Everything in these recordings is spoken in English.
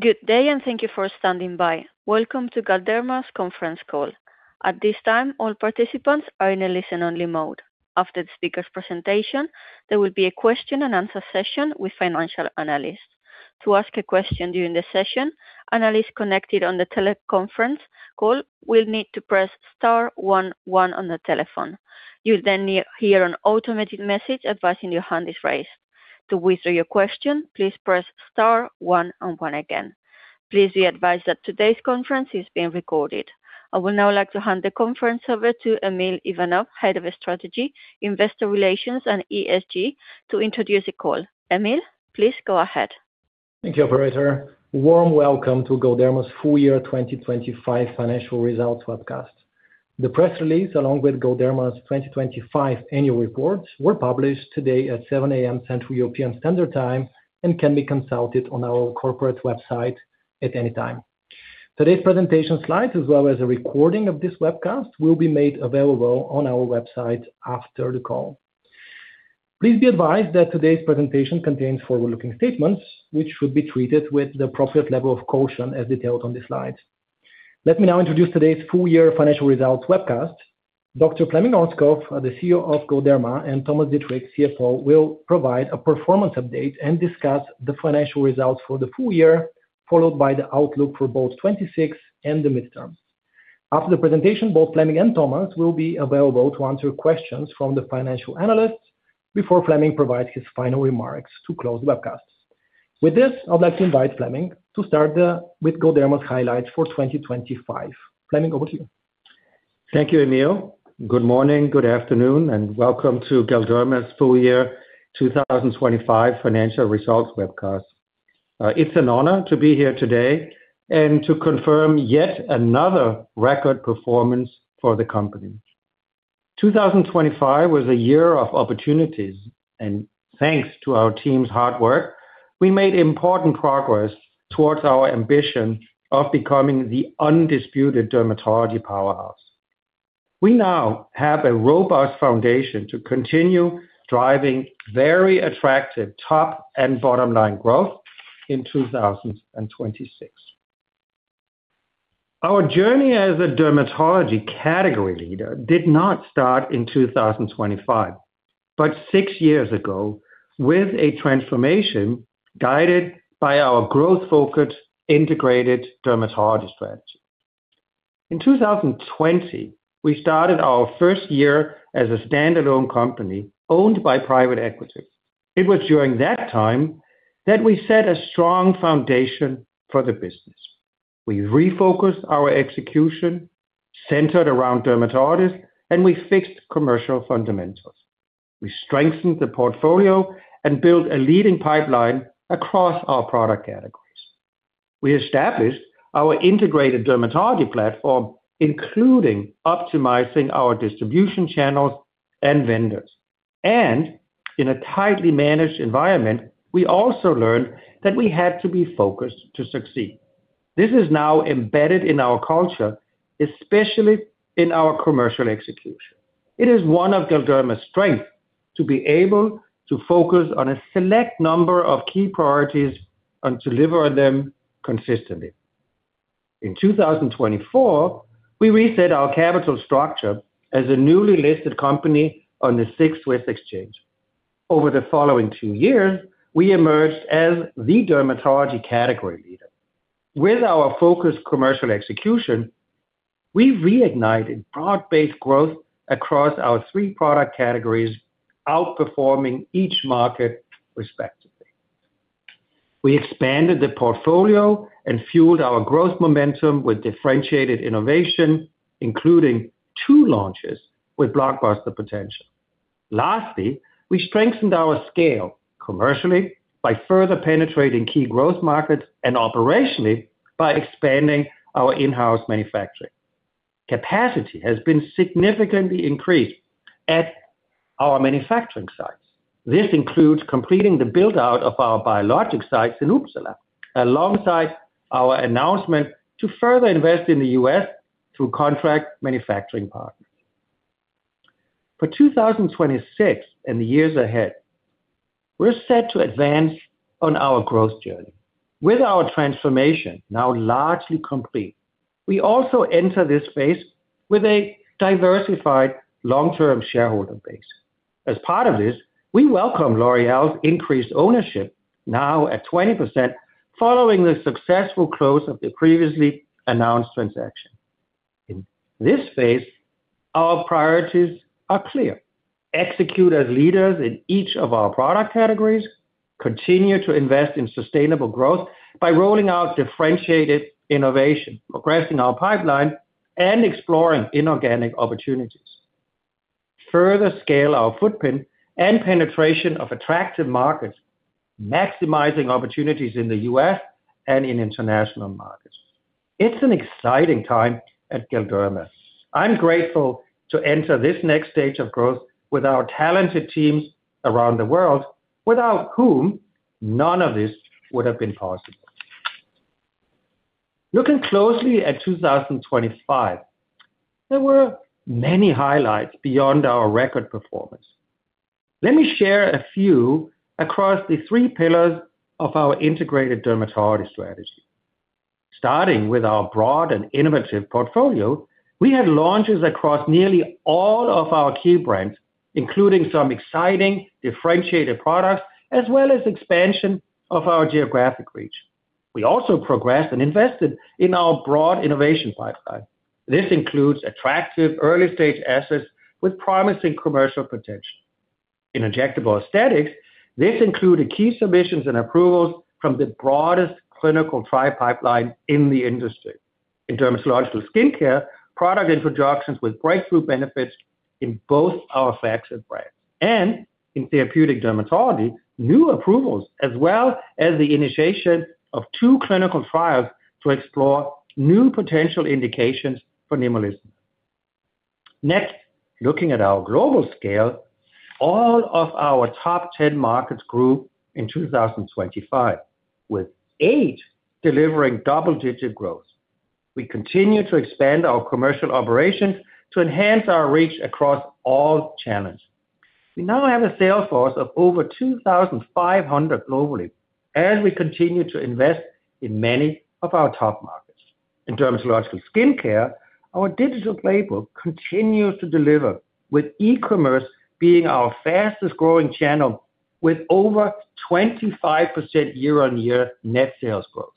Good day. Thank you for standing by. Welcome to Galderma's conference call. At this time, all participants are in a listen-only mode. After the speaker's presentation, there will be a question and answer session with financial analysts. To ask a question during the session, analysts connected on the teleconference call will need to press star one one on the telephone. You'll hear an automated message advising your hand is raised. To withdraw your question, please press star one and one again. Please be advised that today's conference is being recorded. I would now like to hand the conference over to Emil Ivanov, Head of Strategy, Investor Relations, and ESG to introduce the call. Emil, please go ahead. Thank you, operator. Warm welcome to Galderma's full year 2025 financial results webcast. The press release, along with Galderma's 2025 annual reports were published today at 7:00 A.M. Central European Standard Time and can be consulted on our corporate website at any time. Today's presentation slides, as well as a recording of this webcast, will be made available on our website after the call. Please be advised that today's presentation contains forward-looking statements, which should be treated with the appropriate level of caution as detailed on the slides. Let me now introduce today's full year financial results webcast. Dr. Flemming Ørnskov, the CEO of Galderma, and Thomas Dittrich, CFO, will provide a performance update and discuss the financial results for the full year, followed by the outlook for both 2026 and the midterm. After the presentation, both Flemming and Thomas will be available to answer questions from the financial analysts before Flemming provides his final remarks to close the webcast. With this, I'd like to invite Flemming to start with Galderma's highlights for 2025. Flemming, over to you. Thank you, Emil. Good morning, good afternoon, and welcome to Galderma's full year 2025 financial results webcast. It's an honor to be here today and to confirm yet another record performance for the company. 2025 was a year of opportunities, and thanks to our team's hard work, we made important progress towards our ambition of becoming the undisputed dermatology powerhouse. We now have a robust foundation to continue driving very attractive top and bottom-line growth in 2026. Our journey as a dermatology category leader did not start in 2025, but 6 years ago with a transformation guided by our growth-focused integrated dermatologist strategy. In 2020, we started our first year as a standalone company owned by private equity. It was during that time that we set a strong foundation for the business. We refocused our execution centered around dermatologist, and we fixed commercial fundamentals. We strengthened the portfolio and built a leading pipeline across our product categories. We established our integrated dermatology platform, including optimizing our distribution channels and vendors. In a tightly managed environment, we also learned that we had to be focused to succeed. This is now embedded in our culture, especially in our commercial execution. It is one of Galderma's strength to be able to focus on a select number of key priorities and deliver them consistently. In 2024, we reset our capital structure as a newly listed company on the SIX Swiss Exchange. Over the following two years, we emerged as the dermatology category leader. With our focused commercial execution, we reignited broad-based growth across our three product categories, outperforming each market respectively. We expanded the portfolio and fueled our growth momentum with differentiated innovation, including two launches with blockbuster potential. We strengthened our scale commercially by further penetrating key growth markets and operationally by expanding our in-house manufacturing. Capacity has been significantly increased at our manufacturing sites. This includes completing the build-out of our biologic sites in Uppsala, alongside our announcement to further invest in the U.S. through contract manufacturing partners. For 2026 and the years ahead, we're set to advance on our growth journey. With our transformation now largely complete, we also enter this phase with a diversified long-term shareholder base. As part of this, we welcome L'Oréal's increased ownership now at 20% following the successful close of the previously announced transaction. In this phase, our priorities are clear. Execute as leaders in each of our product categories. Continue to invest in sustainable growth by rolling out differentiated innovation, progressing our pipeline, and exploring inorganic opportunities. Further scale our footprint and penetration of attractive markets, maximizing opportunities in the U.S. and in international markets. It's an exciting time at Galderma. I'm grateful to enter this next stage of growth with our talented teams around the world, without whom none of this would have been possible. Looking closely at 2025, there were many highlights beyond our record performance. Let me share a few across the three pillars of our integrated dermatology strategy. Starting with our broad and innovative portfolio, we had launches across nearly all of our key brands, including some exciting differentiated products, as well as expansion of our geographic reach. We also progressed and invested in our broad innovation pipeline. This includes attractive early-stage assets with promising commercial potential. In injectable Aesthetics, this included key submissions and approvals from the broadest clinical trial pipeline in the industry. In dermatological skin care, product introductions with breakthrough benefits in both our facts and brands, and in therapeutic dermatology, new approvals as well as the initiation of two clinical trials to explore new potential indications for nemolizumab. Looking at our global scale, all of our top 10 markets grew in 2025, with eight delivering double-digit growth. We continue to expand our commercial operations to enhance our reach across all channels. We now have a sales force of over 2,500 globally as we continue to invest in many of our top markets. In dermatological skin care, our digital playbook continues to deliver, with e-commerce being our fastest-growing channel with over 25% year-on-year net sales growth.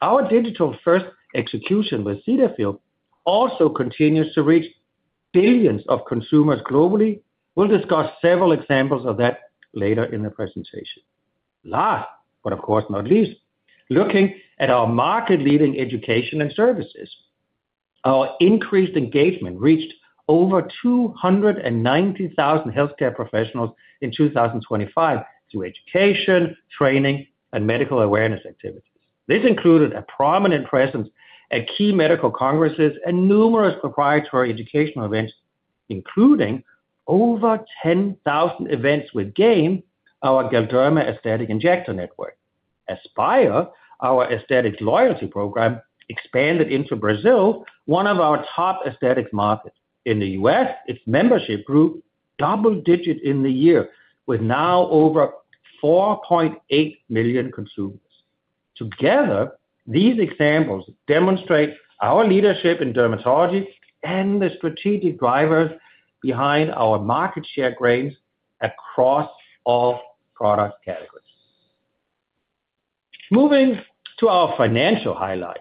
Our digital-first execution with Cetaphil also continues to reach billions of consumers globally. We'll discuss several examples of that later in the presentation. Last, but of course not least, looking at our market-leading education and services. Our increased engagement reached over 290,000 healthcare professionals in 2025 through education, training, and medical awareness activities. This included a prominent presence at key medical congresses and numerous proprietary educational events, including over 10,000 events with GAIN, our Galderma Aesthetic Injector Network. ASPIRE, our Aesthetics loyalty program, expanded into Brazil, one of our top aesthetic markets. In the U.S., its membership grew double digits in the year, with now over 4.8 million consumers. Together, these examples demonstrate our leadership in dermatology and the strategic drivers behind our market share gains across all product categories. Moving to our financial highlights.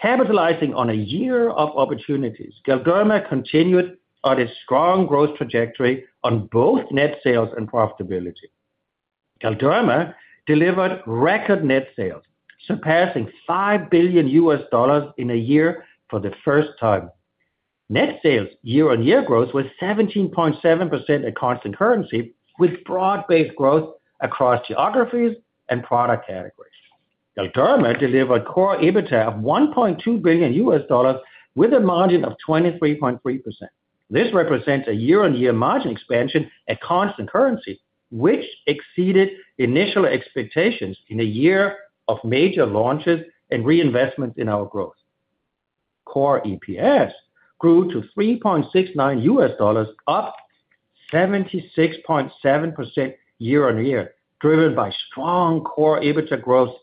Capitalizing on a year of opportunities, Galderma continued on a strong growth trajectory on both net sales and profitability. Galderma delivered record net sales, surpassing $5 billion in a year for the first time. Net sales year-on-year growth was 17.7% at constant currency, with broad-based growth across geographies and product categories. Galderma delivered core EBITDA of $1.2 billion with a margin of 23.3%. This represents a year-on-year margin expansion at constant currency, which exceeded initial expectations in a year of major launches and reinvestments in our growth. Core EPS grew to $3.69, up 76.7% year-on-year, driven by strong core EBITDA growth,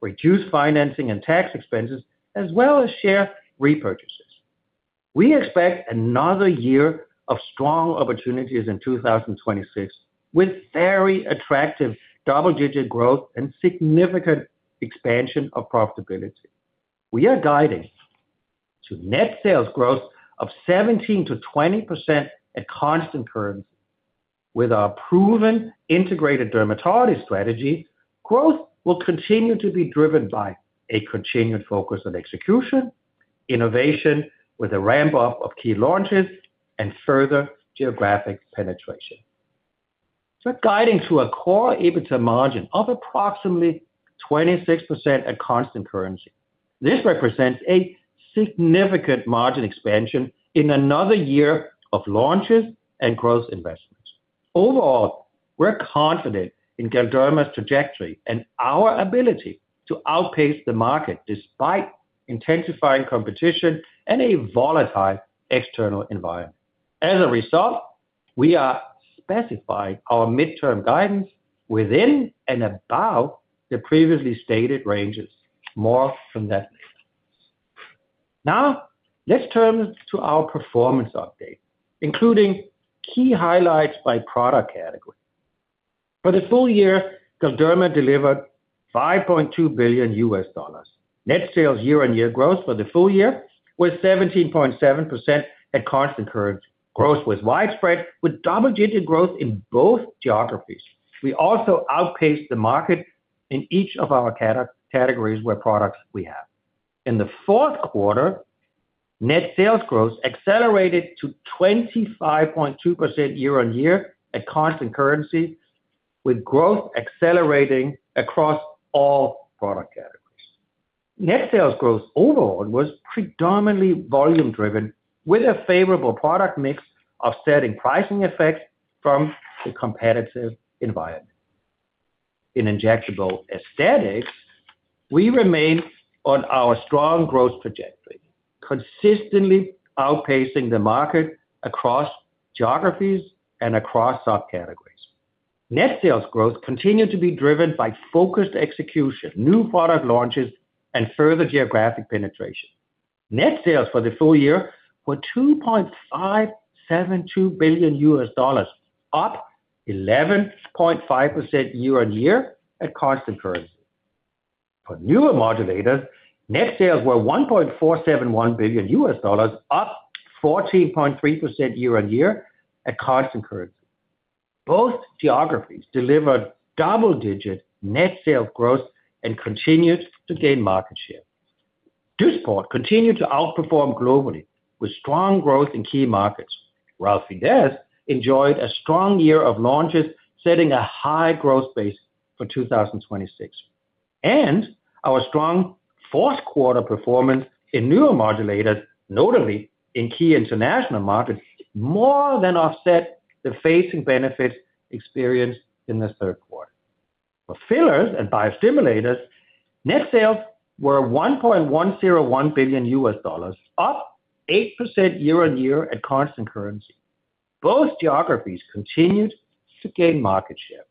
reduced financing and tax expenses, as well as share repurchases. We expect another year of strong opportunities in 2026, with very attractive double-digit growth and significant expansion of profitability. We are guiding to net sales growth of 17%-20% at constant currency. With our proven integrated dermatology strategy, growth will continue to be driven by a continued focus on execution, innovation with a ramp-up of key launches, and further geographic penetration. Guiding to a core EBITDA margin of approximately 26% at constant currency. This represents a significant margin expansion in another year of launches and growth investments. Overall, we're confident in Galderma's trajectory and our ability to outpace the market despite intensifying competition and a volatile external environment. As a result, we are specifying our midterm guidance within and above the previously stated ranges. More from that later. Let's turn to our performance update, including key highlights by product category. For the full year, Galderma delivered $5.2 billion. Net sales year-on-year growth for the full year was 17.7% at constant currency. Growth was widespread with double-digit growth in both geographies. We also outpaced the market in each of our categories where products we have. In the fourth quarter, net sales growth accelerated to 25.2% year-on-year at constant currency, with growth accelerating across all product categories. Net sales growth overall was predominantly volume-driven, with a favorable product mix offsetting pricing effects from the competitive environment. In injectable aesthetics, we remain on our strong growth trajectory, consistently outpacing the market across geographies and across subcategories. Net sales growth continued to be driven by focused execution, new product launches, and further geographic penetration. Net sales for the full year were $2.572 billion, up 11.5% year-over-year at constant currency. For neuromodulators, net sales were $1.471 billion, up 14.3% year-over-year at constant currency. Both geographies delivered double-digit net sales growth and continued to gain market share. Dysport continued to outperform globally with strong growth in key markets. Relfydess enjoyed a strong year of launches, setting a high growth base for 2026. Our strong fourth quarter performance in neuromodulators, notably in key international markets, more than offset the phasing benefits experienced in the third quarter. For fillers and biostimulators, net sales were $1.101 billion, up 8% year-over-year at constant currency. Both geographies continued to gain market share.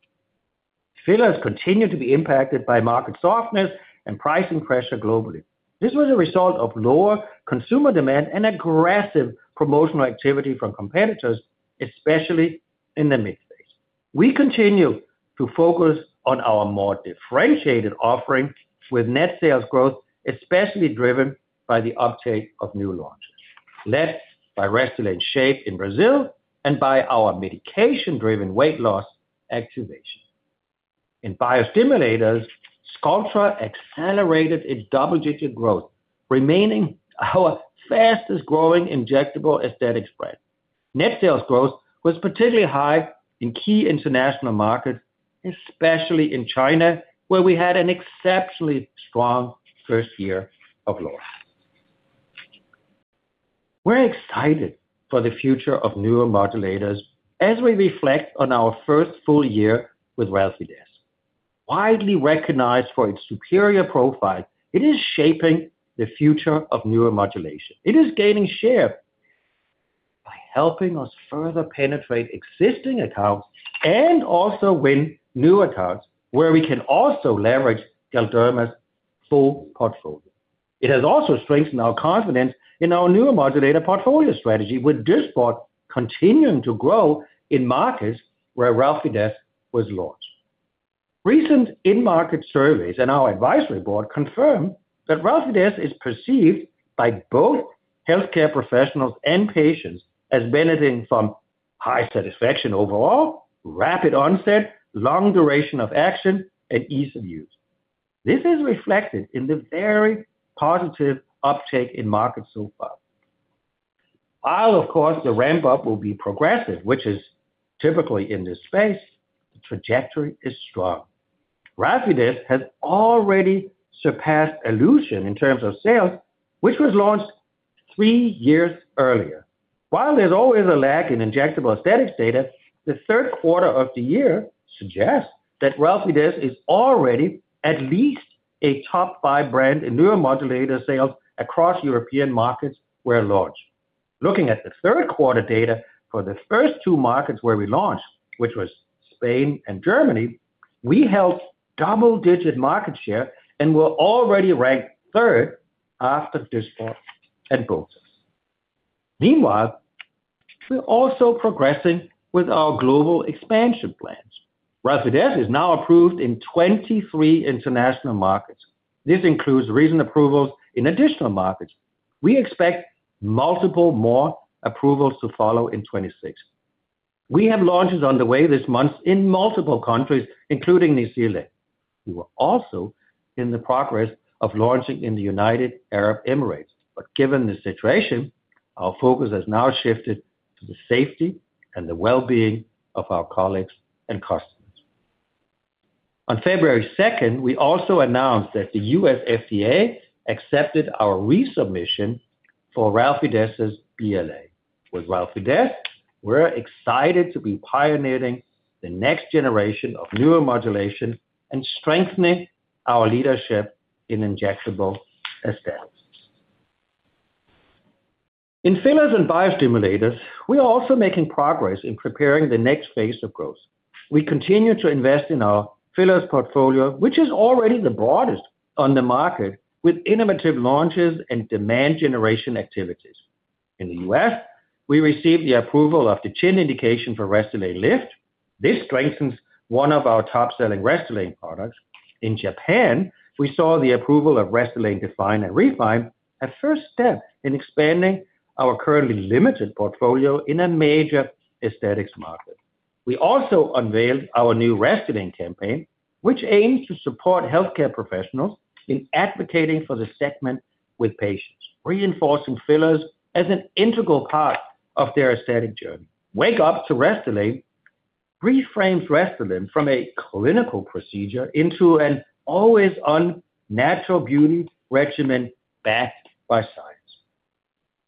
Fillers continued to be impacted by market softness and pricing pressure globally. This was a result of lower consumer demand and aggressive promotional activity from competitors, especially in the mid phase. We continue to focus on our more differentiated offerings with net sales growth, especially driven by the uptake of new launches, led by Restylane SHAYPE in Brazil and by our medication-driven weight loss activation. In Biostimulators, Sculptra accelerated its double-digit growth, remaining our fastest-growing injectable aesthetic spread. Net sales growth was particularly high in key international markets, especially in China, where we had an exceptionally strong first year of launch. We're excited for the future of neuromodulators as we reflect on our first full year with Relfydess. Widely recognized for its superior profile, it is shaping the future of neuromodulation. It is gaining share by helping us further penetrate existing accounts and also win new accounts where we can also leverage Galderma's full portfolio. It has also strengthened our confidence in our neuromodulator portfolio strategy, with Dysport continuing to grow in markets where Relfydess was launched. Recent in-market surveys and our advisory board confirm that Relfydess is perceived by both healthcare professionals and patients as benefiting from high satisfaction overall, rapid onset, long duration of action, and ease of use. This is reflected in the very positive uptake in markets so far. Of course, the ramp-up will be progressive, which is typically in this space, the trajectory is strong. Relfydess has already surpassed Alluzience in terms of sales, which was launched three years earlier. While there's always a lag in injectable Aesthetics data, the third quarter of the year suggests that Relfydess is already at least a top five brand in neuromodulator sales across European markets where launched. Looking at the third quarter data for the first two markets where we launched, which was Spain and Germany, we held double-digit market share and were already ranked third after Dysport and Botox. We're also progressing with our global expansion plans. Relfydess is now approved in 23 international markets. This includes recent approvals in additional markets. We expect multiple more approvals to follow in 2026. We have launches on the way this month in multiple countries, including New Zealand. We were also in the progress of launching in the United Arab Emirates. Given the situation, our focus has now shifted to the safety and the well-being of our colleagues and customers. On February 2nd, we also announced that the U.S. FDA accepted our resubmission for Relfydess' BLA. With Relfydess, we're excited to be pioneering the next generation of neuromodulation and strengthening our leadership in injectable Aesthetics. In fillers and biostimulators, we are also making progress in preparing the next phase of growth. We continue to invest in our fillers portfolio, which is already the broadest on the market, with innovative launches and demand generation activities. In the U.S., we received the approval of the chin indication for Restylane Lyft. This strengthens one of our top-selling Restylane products. In Japan, we saw the approval of Restylane Defyne and Refyne, a first step in expanding our currently limited portfolio in a major Aesthetics market. We also unveiled our new Restylane campaign, which aims to support healthcare professionals in advocating for the segment with patients, reinforcing fillers as an integral part of their aesthetic journey. Wake up to Restylane reframes Restylane from a clinical procedure into an always-on natural beauty regimen backed by science.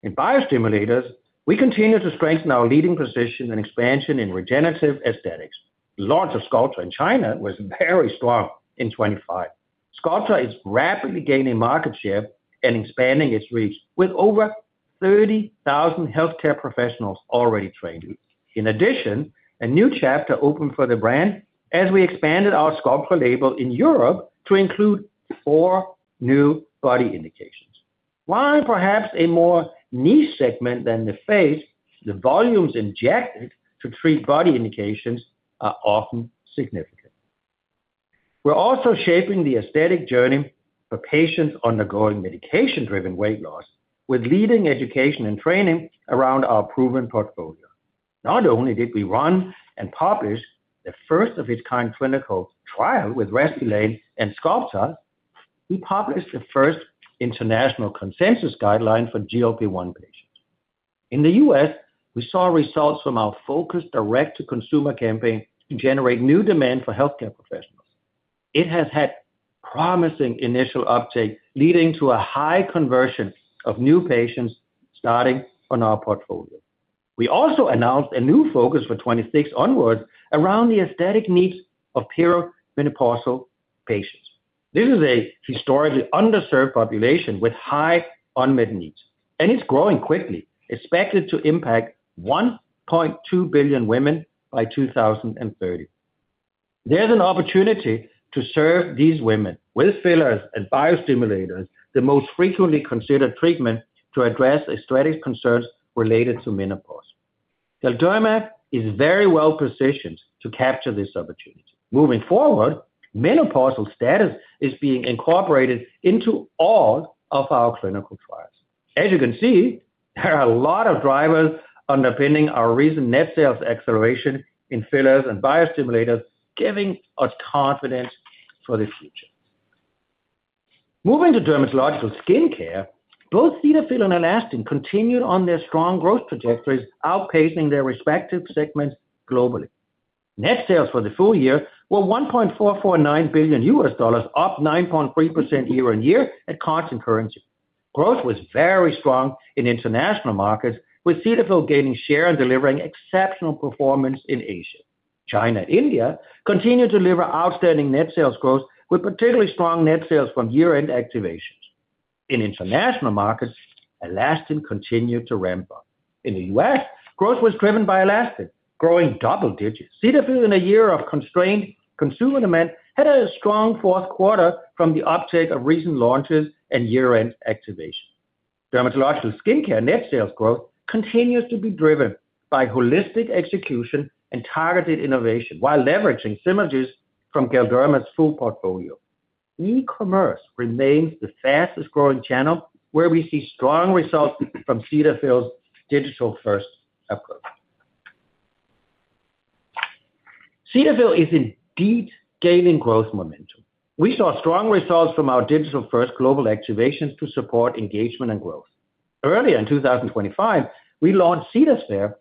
In biostimulators, we continue to strengthen our leading position and expansion in regenerative aesthetics. Launch of Sculptra in China was very strong in 2025. Sculptra is rapidly gaining market share and expanding its reach with over 30,000 healthcare professionals already trained. In addition, a new chapter opened for the brand as we expanded our Sculptra label in Europe to include four new body indications. While perhaps a more niche segment than the face, the volumes injected to treat body indications are often significant. We're also shaping the aesthetic journey for patients undergoing medication-driven weight loss, with leading education and training around our proven portfolio. Not only did we run and publish the first of its kind clinical trial with Restylane and Sculptra, we published the first international consensus guideline for GLP-1 patients. In the U.S., we saw results from our focused direct-to-consumer campaign generate new demand for healthcare professionals. It has had promising initial uptake, leading to a high conversion of new patients starting on our portfolio. We also announced a new focus for 26 onwards around the aesthetic needs of perimenopausal patients. This is a historically underserved population with high unmet needs, and it's growing quickly, expected to impact 1.2 billion women by 2030. There's an opportunity to serve these women with fillers and biostimulators, the most frequently considered treatment to address aesthetic concerns related to menopause. Galderma is very well-positioned to capture this opportunity. Moving forward, menopausal status is being incorporated into all of our clinical trials. As you can see, there are a lot of drivers underpinning our recent net sales acceleration in fillers and biostimulators, giving us confidence for the future. Moving to dermatological skincare, both Cetaphil and Alastin continued on their strong growth trajectories, outpacing their respective segments globally. Net sales for the full year were $1.449 billion, up 9.3% year-over-year at constant currency. Growth was very strong in international markets, with Cetaphil gaining share and delivering exceptional performance in Asia. China and India continued to deliver outstanding net sales growth, with particularly strong net sales from year-end activations. In international markets, Alastin continued to ramp up. In the U.S., growth was driven by Alastin, growing double digits. Cetaphil, in a year of constrained consumer demand, had a strong fourth quarter from the uptake of recent launches and year-end activation. Dermatological skincare net sales growth continues to be driven by holistic execution and targeted innovation while leveraging synergies from Galderma's full portfolio. E-commerce remains the fastest-growing channel, where we see strong results from Cetaphil's digital-first approach. Cetaphil is indeed gaining growth momentum. We saw strong results from our digital-first global activations to support engagement and growth. Earlier in 2025, we launched CetaSphere,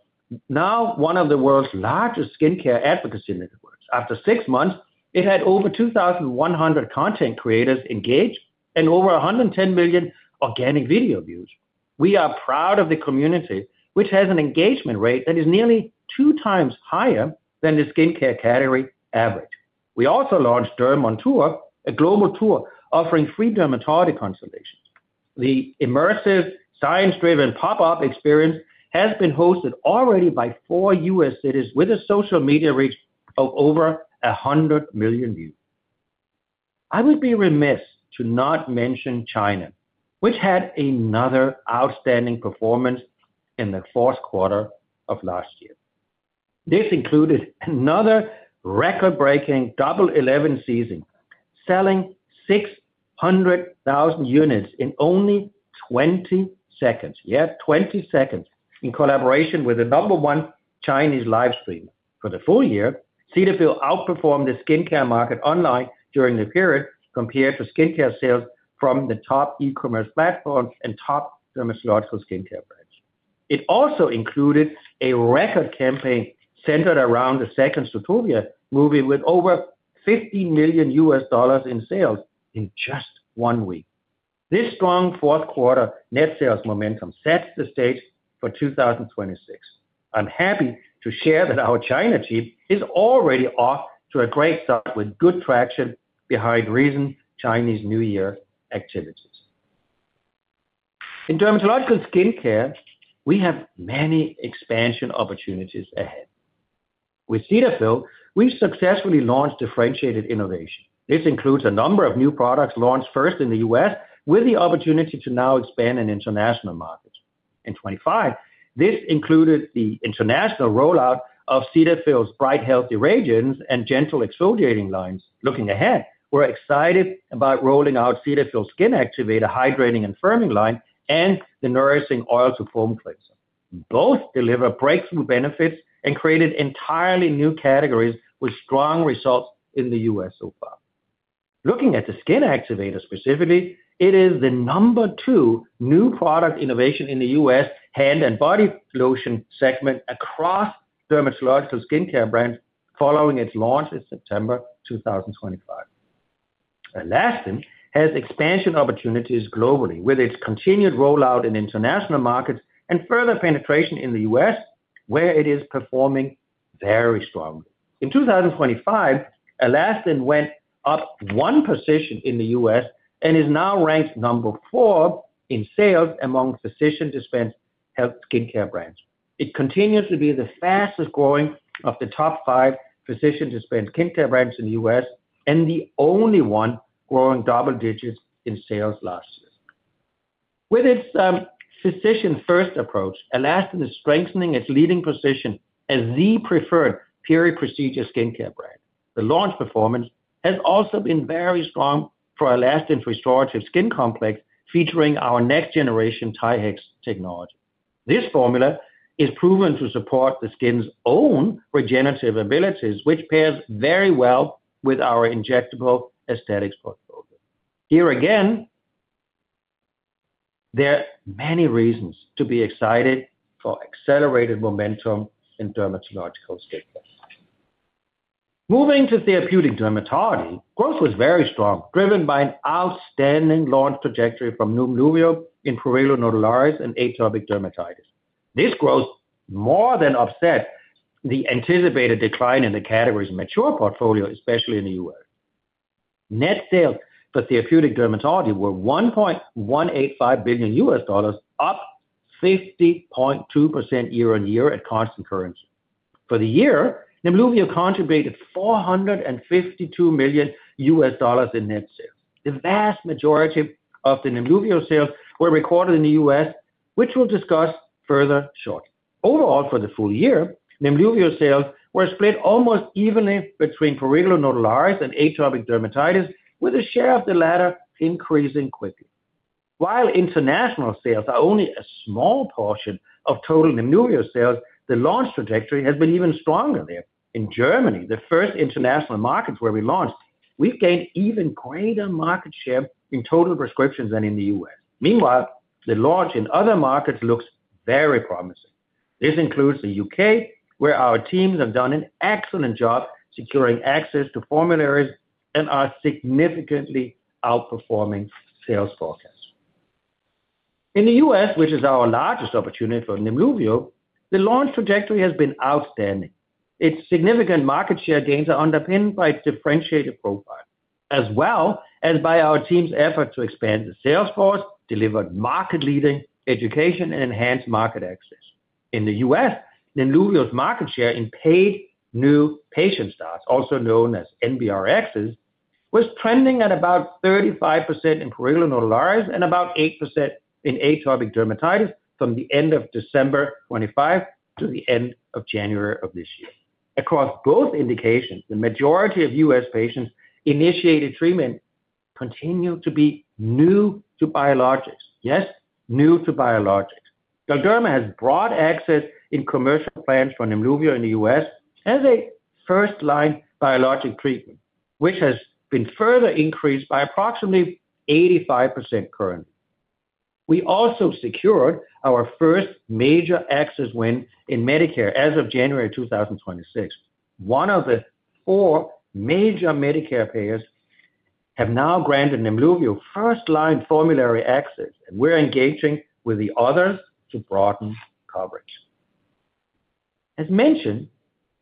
now one of the world's largest skincare advocacy networks. After six months, it had over 2,100 content creators engaged and over 110 million organic video views. We are proud of the community, which has an engagement rate that is nearly two times higher than the skincare category average. We also launched Derm On Tour, a global tour offering free dermatology consultations. The immersive, science-driven pop-up experience has been hosted already by four U.S. cities with a social media reach of over 100 million views. I would be remiss to not mention China, which had another outstanding performance in the fourth quarter of last year. This included another record-breaking Double Eleven season, selling 600,000 units in only 20 seconds. Yes, 20 seconds. In collaboration with the number one Chinese live stream. For the full year, Cetaphil outperformed the skincare market online during the period compared to skincare sales from the top e-commerce platforms and top dermatological skincare brands. It also included a record campaign centered around the second Sutulia movie with over $50 million in sales in just one week. This strong fourth quarter net sales momentum sets the stage for 2026. I'm happy to share that our China team is already off to a great start with good traction behind recent Chinese New Year activities. In dermatological skincare, we have many expansion opportunities ahead. With Cetaphil, we've successfully launched differentiated innovation. This includes a number of new products launched first in the U.S. with the opportunity to now expand in international markets. In 25, this included the international rollout of Cetaphil's Bright Healthy Radiance and gentle exfoliating lines. Looking ahead, we're excited about rolling out Cetaphil Skin Activator hydrating and firming line and the Nourishing Oil-to-Foam Cleanser. Both deliver breakthrough benefits and created entirely new categories with strong results in the U.S. so far. Looking at the Skin Activator specifically, it is the number two new product innovation in the U.S. hand and body lotion segment across dermatological skincare brands following its launch in September 2025. Alastin has expansion opportunities globally with its continued rollout in international markets and further penetration in the U.S., where it is performing very strongly. In 2025, Alastin went up one position in the U.S. and is now ranked number four in sales among physician-dispensed health skincare brands. It continues to be the fastest-growing of the top five physician-dispensed skincare brands in the U.S. and the only one growing double digits in sales last year. With its physician-first approach, Alastin is strengthening its leading position as the preferred peri-procedure skincare brand. The launch performance has also been very strong for Alastin's restorative skin complex, featuring our next-generation TriHex Technology. This formula is proven to support the skin's own regenerative abilities, which pairs very well with our injectable Aesthetics portfolio. Here again, there are many reasons to be excited for accelerated momentum in dermatological skincare. Moving to therapeutic dermatology, growth was very strong, driven by an outstanding launch trajectory from Nemluvio in prurigo nodularis and atopic dermatitis. This growth more than offset the anticipated decline in the category's mature portfolio, especially in the U.S. Net sales for therapeutic dermatology were $1.185 billion, up 50.2% year-on-year at constant currency. For the year, Nemluvio contributed $452 million in net sales. The vast majority of the Nemluvio sales were recorded in the U.S., which we'll discuss further shortly. Overall, for the full year, Nemluvio sales were split almost evenly between prurigo nodularis and atopic dermatitis, with a share of the latter increasing quickly. While international sales are only a small portion of total Nemluvio sales, the launch trajectory has been even stronger there. In Germany, the first international market where we launched, we've gained even greater market share in total prescriptions than in the U.S. The launch in other markets looks very promising. This includes the U.K., where our teams have done an excellent job securing access to formularies and are significantly outperforming sales forecasts. In the U.S., which is our largest opportunity for Nemluvio, the launch trajectory has been outstanding. Its significant market share gains are underpinned by its differentiated profile, as well as by our team's effort to expand the sales force, deliver market-leading education, and enhance market access. In the U.S., Nemluvio's market share in paid new patient starts, also known as NBRXs, was trending at about 35% in prurigo nodularis and about 8% in atopic dermatitis from the end of December 2025 to the end of January of this year. Across both indications, the majority of U.S. patients initiated treatment continued to be new to biologics. Yes, new to biologics. Galderma has broad access in commercial plans for Nemluvio in the U.S. as a first-line biologic treatment, which has been further increased by approximately 85% currently. We also secured our first major access win in Medicare as of January 2026. One of the four major Medicare payers have now granted Nemluvio first-line formulary access, and we're engaging with the others to broaden coverage. As mentioned,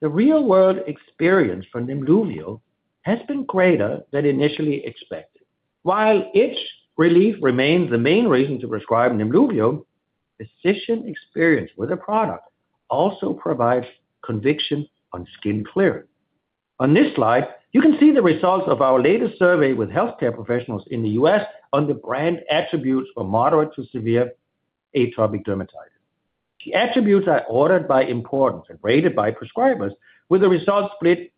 the real-world experience for Nemluvio has been greater than initially expected. While itch relief remains the main reason to prescribe Nemluvio, physician experience with the product also provides conviction on skin clearing. On this slide, you can see the results of our latest survey with healthcare professionals in the U.S. on the brand attributes for moderate to severe atopic dermatitis. The attributes are ordered by importance and rated by prescribers, with the results split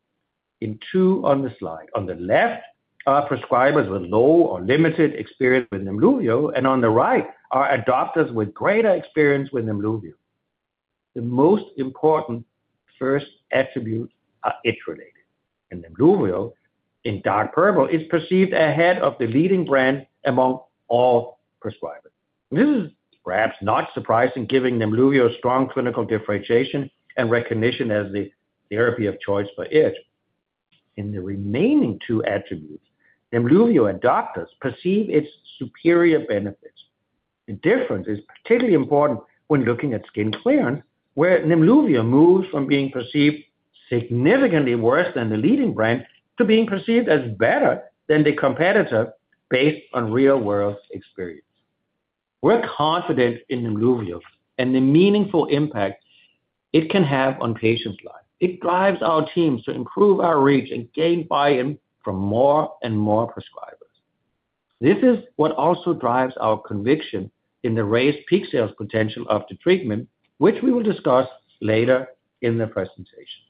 in two on the slide. On the left are prescribers with low or limited experience with Nemluvio, and on the right are adopters with greater experience with Nemluvio. The most important first attributes are itch related, and Nemluvio, in dark purple, is perceived ahead of the leading brand among all prescribers. This is perhaps not surprising given Nemluvio's strong clinical differentiation and recognition as the therapy of choice for itch. In the remaining two attributes, Nemluvio adopters perceive its superior benefits. The difference is particularly important when looking at skin clearance, where Nemluvio moves from being perceived significantly worse than the leading brand to being perceived as better than the competitor based on real-world experience. We're confident in Nemluvio and the meaningful impact it can have on patients' lives. It drives our teams to improve our reach and gain buy-in from more and more prescribers. This is what also drives our conviction in the raised peak sales potential of the treatment, which we will discuss later in the presentation.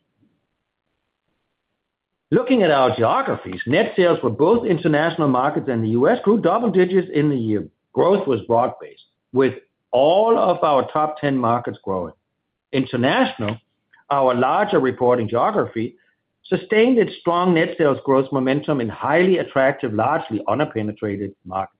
Looking at our geographies, net sales for both international markets and the U.S. grew double digits in the year. Growth was broad-based, with all of our top 10 markets growing. International, our larger reporting geography, sustained its strong net sales growth momentum in highly attractive, largely underpenetrated markets.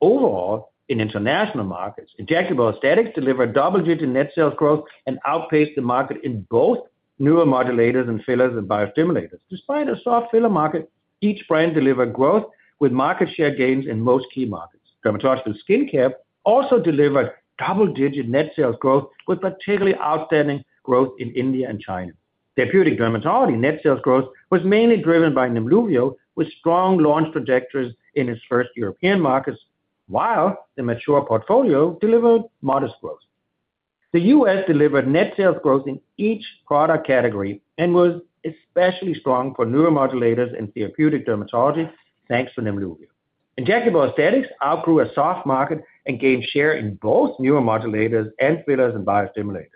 Overall, in international markets, Injectable Aesthetics delivered double-digit net sales growth and outpaced the market in both neuromodulators and fillers and biostimulators. Despite a soft filler market, each brand delivered growth with market share gains in most key markets. Dermatological skincare also delivered double-digit net sales growth, with particularly outstanding growth in India and China. Therapeutic dermatology net sales growth was mainly driven by Nemluvio, with strong launch trajectories in its first European markets, while the mature portfolio delivered modest growth. The U.S. delivered net sales growth in each product category and was especially strong for neuromodulators and therapeutic dermatology, thanks to Nemluvio. Injectable Aesthetics outgrew a soft market and gained share in both neuromodulators and fillers and biostimulators.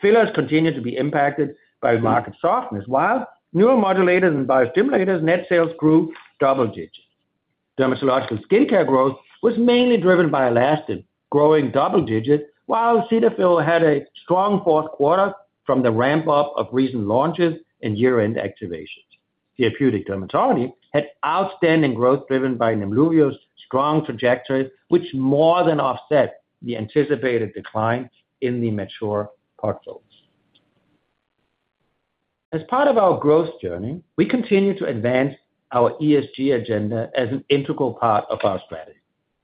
Fillers continue to be impacted by market softness, while neuromodulators and biostimulators net sales grew double digits. Dermatological skincare growth was mainly driven by Alastin, growing double digits, while Cetaphil had a strong fourth quarter from the ramp-up of recent launches and year-end activations. Therapeutic dermatology had outstanding growth driven by Nemluvio's strong trajectories, which more than offset the anticipated declines in the mature portfolios. As part of our growth journey, we continue to advance our ESG agenda as an integral part of our strategy.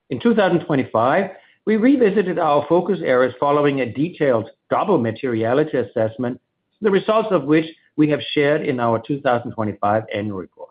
In 2025, we revisited our focus areas following a detailed double materiality assessment, the results of which we have shared in our 2025 annual report.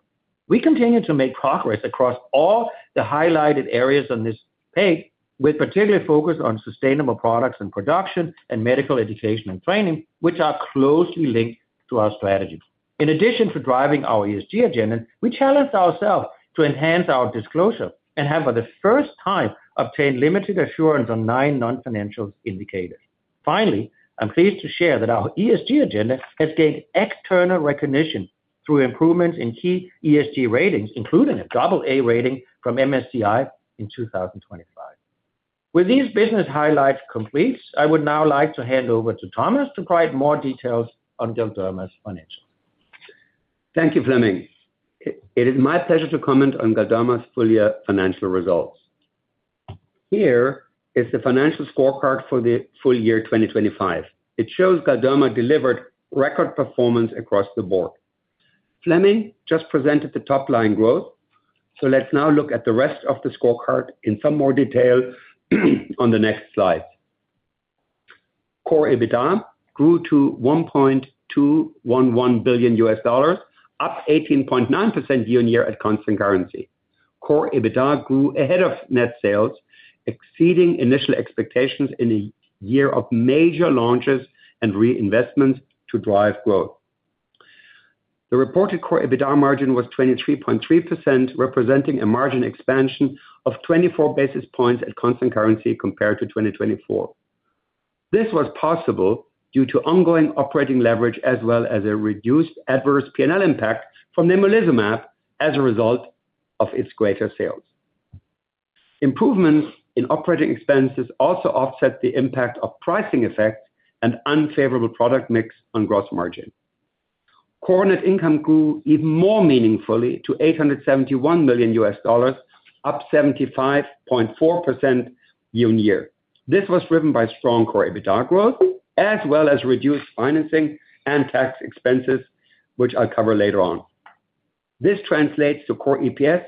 We continue to make progress across all the highlighted areas on this page, with particular focus on sustainable products and production and medical education and training, which are closely linked to our strategies. In addition to driving our ESG agenda, we challenged ourselves to enhance our disclosure and have for the first time obtained limited assurance on nine non-financial indicators. Finally, I'm pleased to share that our ESG agenda has gained external recognition through improvements in key ESG ratings, including an AA rating from MSCI in 2025. With these business highlights complete, I would now like to hand over to Thomas to provide more details on Galderma's financials. Thank you, Flemming. It is my pleasure to comment on Galderma's full year financial results. Here is the financial scorecard for the full year 2025. It shows Galderma delivered record performance across the board. Flemming just presented the top line growth, so let's now look at the rest of the scorecard in some more detail on the next slide. Core EBITDA grew to $1.211 billion, up 18.9% year-on-year at constant currency. Core EBITDA grew ahead of net sales, exceeding initial expectations in a year of major launches and reinvestments to drive growth. The reported core EBITDA margin was 23.3%, representing a margin expansion of 24 basis points at constant currency compared to 2024. This was possible due to ongoing operating leverage as well as a reduced adverse P&L impact from nemolizumab as a result of its greater sales. Improvements in operating expenses also offset the impact of pricing effects and unfavorable product mix on gross margin. core net income grew even more meaningfully to $871 million, up 75.4% year-on-year. This was driven by strong core EBITDA growth as well as reduced financing and tax expenses, which I'll cover later on. This translates to core EPS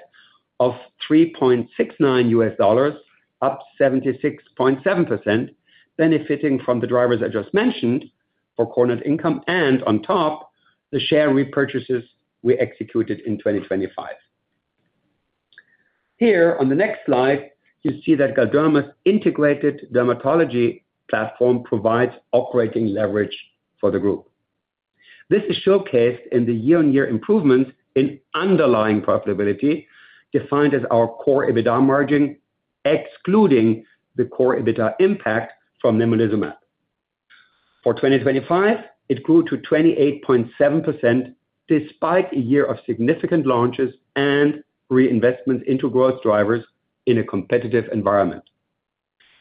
of $3.69, up 76.7%, benefiting from the drivers I just mentioned for core net income and on top, the share repurchases we executed in 2025. Here on the next slide, you see that Galderma's integrated dermatology platform provides operating leverage for the group. This is showcased in the year-on-year improvements in underlying profitability, defined as our core EBITDA margin, excluding the core EBITDA impact from nemolizumab. For 2025, it grew to 28.7% despite a year of significant launches and reinvestment into growth drivers in a competitive environment.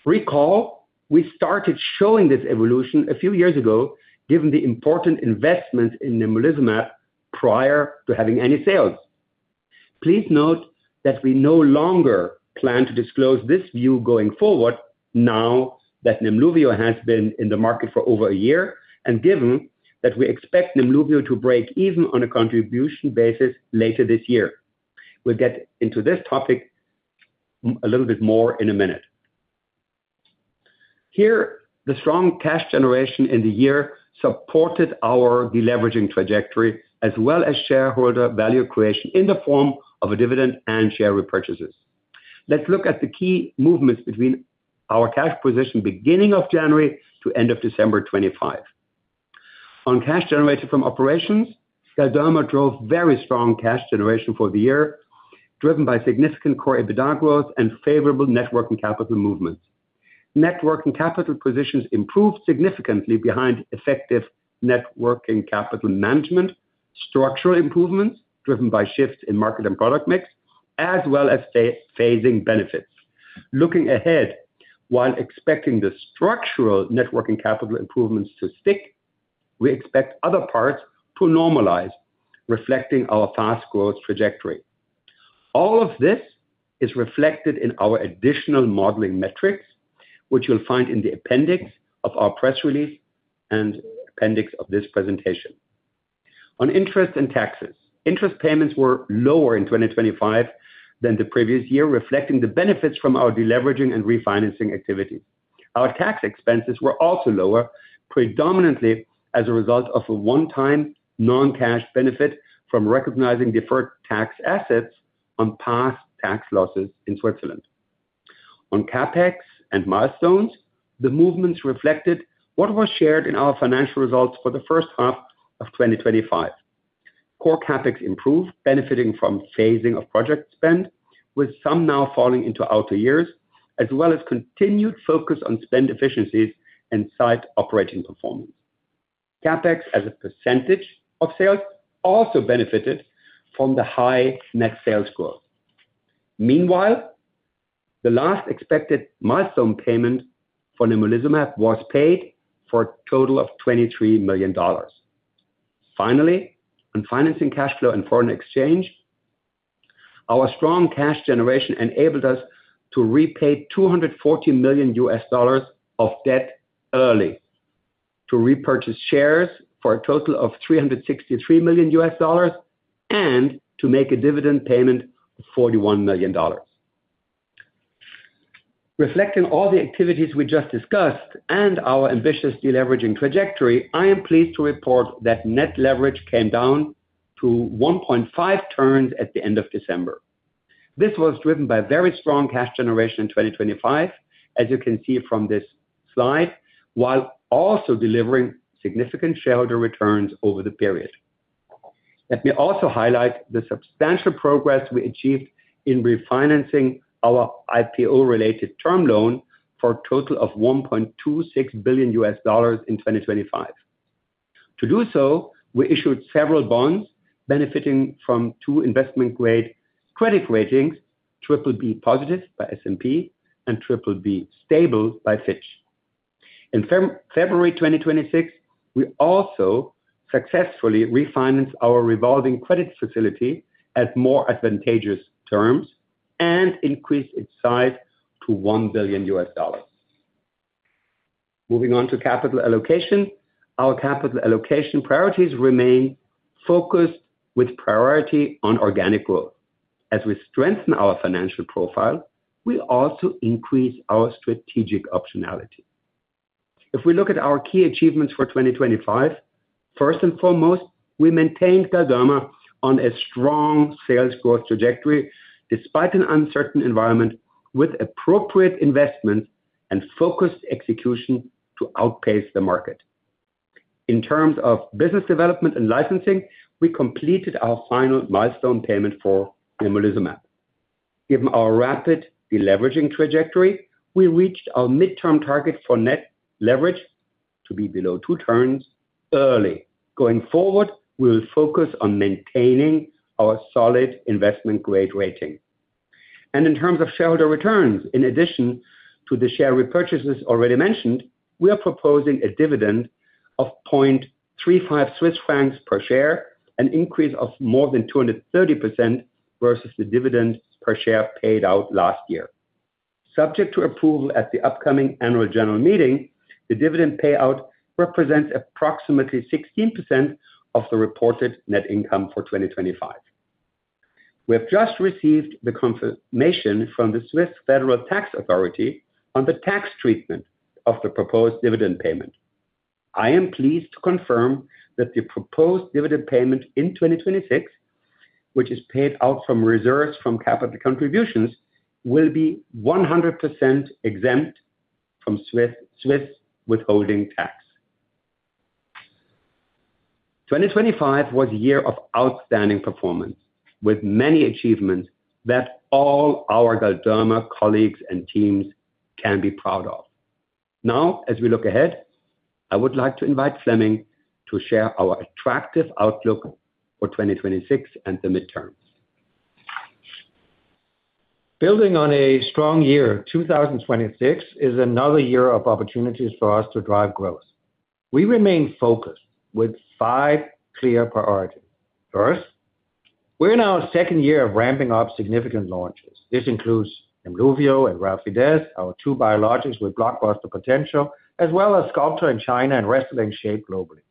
Recall we started showing this evolution a few years ago, given the important investment in nemolizumab prior to having any sales. Please note that we no longer plan to disclose this view going forward now that Nemluvio has been in the market for over a year and given that we expect Nemluvio to break even on a contribution basis later this year. We'll get into this topic a little bit more in a minute. Here, the strong cash generation in the year supported our deleveraging trajectory as well as shareholder value creation in the form of a dividend and share repurchases. Let's look at the key movements between our cash position beginning of January to end of December 2025. On cash generated from operations, Galderma drove very strong cash generation for the year, driven by significant core EBITDA growth and favorable networking capital movements. Networking capital positions improved significantly behind effective networking capital management, structural improvements driven by shifts in market and product mix, as well as phasing benefits. Looking ahead, while expecting the structural networking capital improvements to stick. We expect other parts to normalize, reflecting our fast growth trajectory. All of this is reflected in our additional modeling metrics, which you'll find in the appendix of our press release and appendix of this presentation. On interest and taxes. Interest payments were lower in 2025 than the previous year, reflecting the benefits from our deleveraging and refinancing activity. Our tax expenses were also lower, predominantly as a result of a one-time non-cash benefit from recognizing deferred tax assets on past tax losses in Switzerland. On CapEx and milestones, the movements reflected what was shared in our financial results for the first half of 2025. Core CapEx improved, benefiting from phasing of project spend, with some now falling into outer years, as well as continued focus on spend efficiencies and site operating performance. CapEx as a percentage of sales also benefited from the high net sales growth. The last expected milestone payment for nemolizumab was paid for a total of $23 million. On financing cash flow and foreign exchange, our strong cash generation enabled us to repay $240 million of debt early, to repurchase shares for a total of $363 million, and to make a dividend payment of $41 million. Reflecting all the activities we just discussed and our ambitious deleveraging trajectory, I am pleased to report that net leverage came down to 1.5 turns at the end of December. This was driven by very strong cash generation in 2025, as you can see from this slide, while also delivering significant shareholder returns over the period. Let me also highlight the substantial progress we achieved in refinancing our IPO-related term loan for a total of $1.26 billion in 2025. To do so, we issued several bonds benefiting from two investment-grade credit ratings, BBB+ by S&P and BBB stable by Fitch. In February 2026, we also successfully refinance our revolving credit facility at more advantageous terms and increase its size to $1 billion. Moving on to capital allocation. Our capital allocation priorities remain focused with priority on organic growth. As we strengthen our financial profile, we also increase our strategic optionality. If we look at our key achievements for 2025, first and foremost, we maintained Galderma on a strong sales growth trajectory despite an uncertain environment with appropriate investment and focused execution to outpace the market. In terms of business development and licensing, we completed our final milestone payment for nemolizumab. Given our rapid deleveraging trajectory, we reached our midterm target for net leverage to be below two turns early. Going forward, we'll focus on maintaining our solid investment-grade rating. In addition to the share repurchases already mentioned, we are proposing a dividend of 0.35 Swiss francs per share, an increase of more than 230% versus the dividends per share paid out last year. Subject to approval at the upcoming annual general meeting, the dividend payout represents approximately 16% of the reported net income for 2025. We have just received the confirmation from the Swiss Federal Tax Authority on the tax treatment of the proposed dividend payment. I am pleased to confirm that the proposed dividend payment in 2026, which is paid out from reserves from capital contributions, will be 100% exempt from Swiss withholding tax. 2025 was a year of outstanding performance with many achievements that all our Galderma colleagues and teams can be proud of. As we look ahead, I would like to invite Flemming to share our attractive outlook for 2026 and the midterms. Building on a strong year, 2026 is another year of opportunities for us to drive growth. We remain focused with five clear priorities. First, we're in our second year of ramping up significant launches. This includes Nemluvio and Relfydess, our two biologics with blockbuster potential, as well as Sculptra in China and Restylane SHAYPE globally.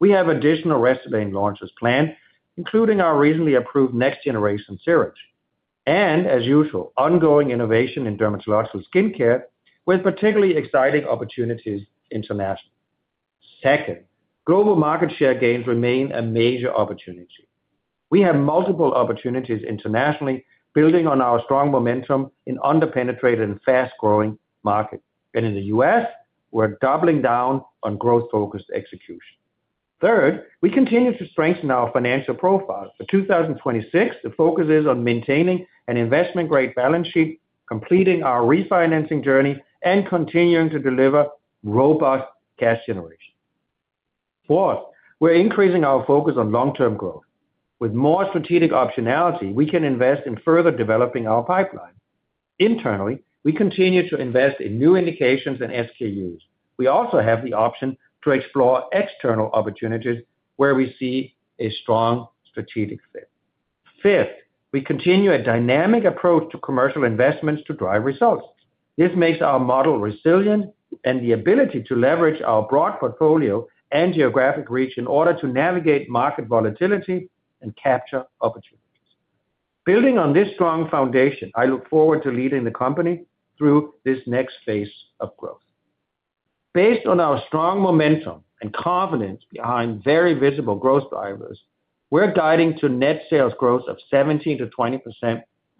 We have additional Restylane launches planned, including our recently approved next-generation syringe. As usual, ongoing innovation in dermatological skin care with particularly exciting opportunities internationally. Second, global market share gains remain a major opportunity. We have multiple opportunities internationally, building on our strong momentum in under-penetrated and fast-growing markets. In the U.S., we're doubling down on growth-focused execution. Third, we continue to strengthen our financial profile. For 2026, the focus is on maintaining an investment-grade balance sheet, completing our refinancing journey, and continuing to deliver robust cash generation. Fourth, we're increasing our focus on long-term growth. With more strategic optionality, we can invest in further developing our pipeline. Internally, we continue to invest in new indications and SKUs. We also have the option to explore external opportunities where we see a strong strategic fit. Fifth, we continue a dynamic approach to commercial investments to drive results. This makes our model resilient and the ability to leverage our broad portfolio and geographic reach in order to navigate market volatility and capture opportunities. Building on this strong foundation, I look forward to leading the company through this next phase of growth. Based on our strong momentum and confidence behind very visible growth drivers, we're guiding to net sales growth of 17%-20%